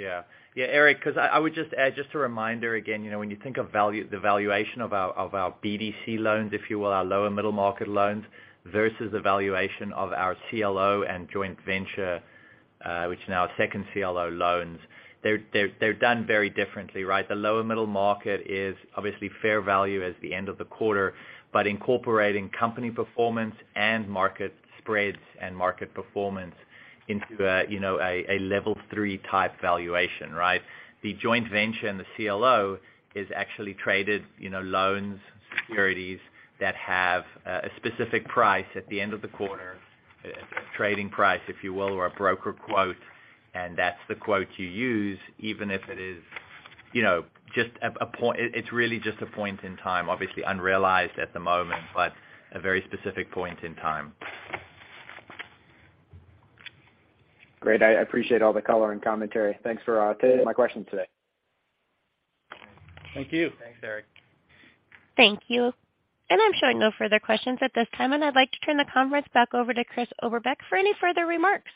Yeah. Yeah. Erik, 'cause I would just add, just a reminder again, you know, when you think of value, the valuation of our BDC loans, if you will, our lower middle market loans versus the valuation of our CLO and joint venture, which now second CLO loans, they're done very differently, right? The lower middle market is obviously fair value at the end of the quarter, but incorporating company performance and market spreads and market performance into a, you know, a level three type valuation, right? The joint venture and the CLO is actually traded, you know, loans, securities that have a specific price at the end of the quarter, a trading price, if you will, or a broker quote, and that's the quote you use, even if it is, you know, just a point. It's really just a point in time, obviously unrealized at the moment, but a very specific point in time.
Great. I appreciate all the color and commentary. Thanks for taking my questions today.
Thank you.
Thanks, Erik.
Thank you. I'm showing no further questions at this time, and I'd like to turn the conference back over to Chris Oberbeck for any further remarks.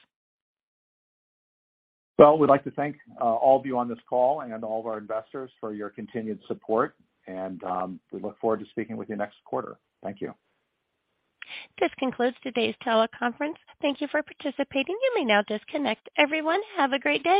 Well, we'd like to thank all of you on this call and all of our investors for your continued support, and we look forward to speaking with you next quarter. Thank you.
This concludes today's teleconference. Thank you for participating. You may now disconnect. Everyone, have a great day.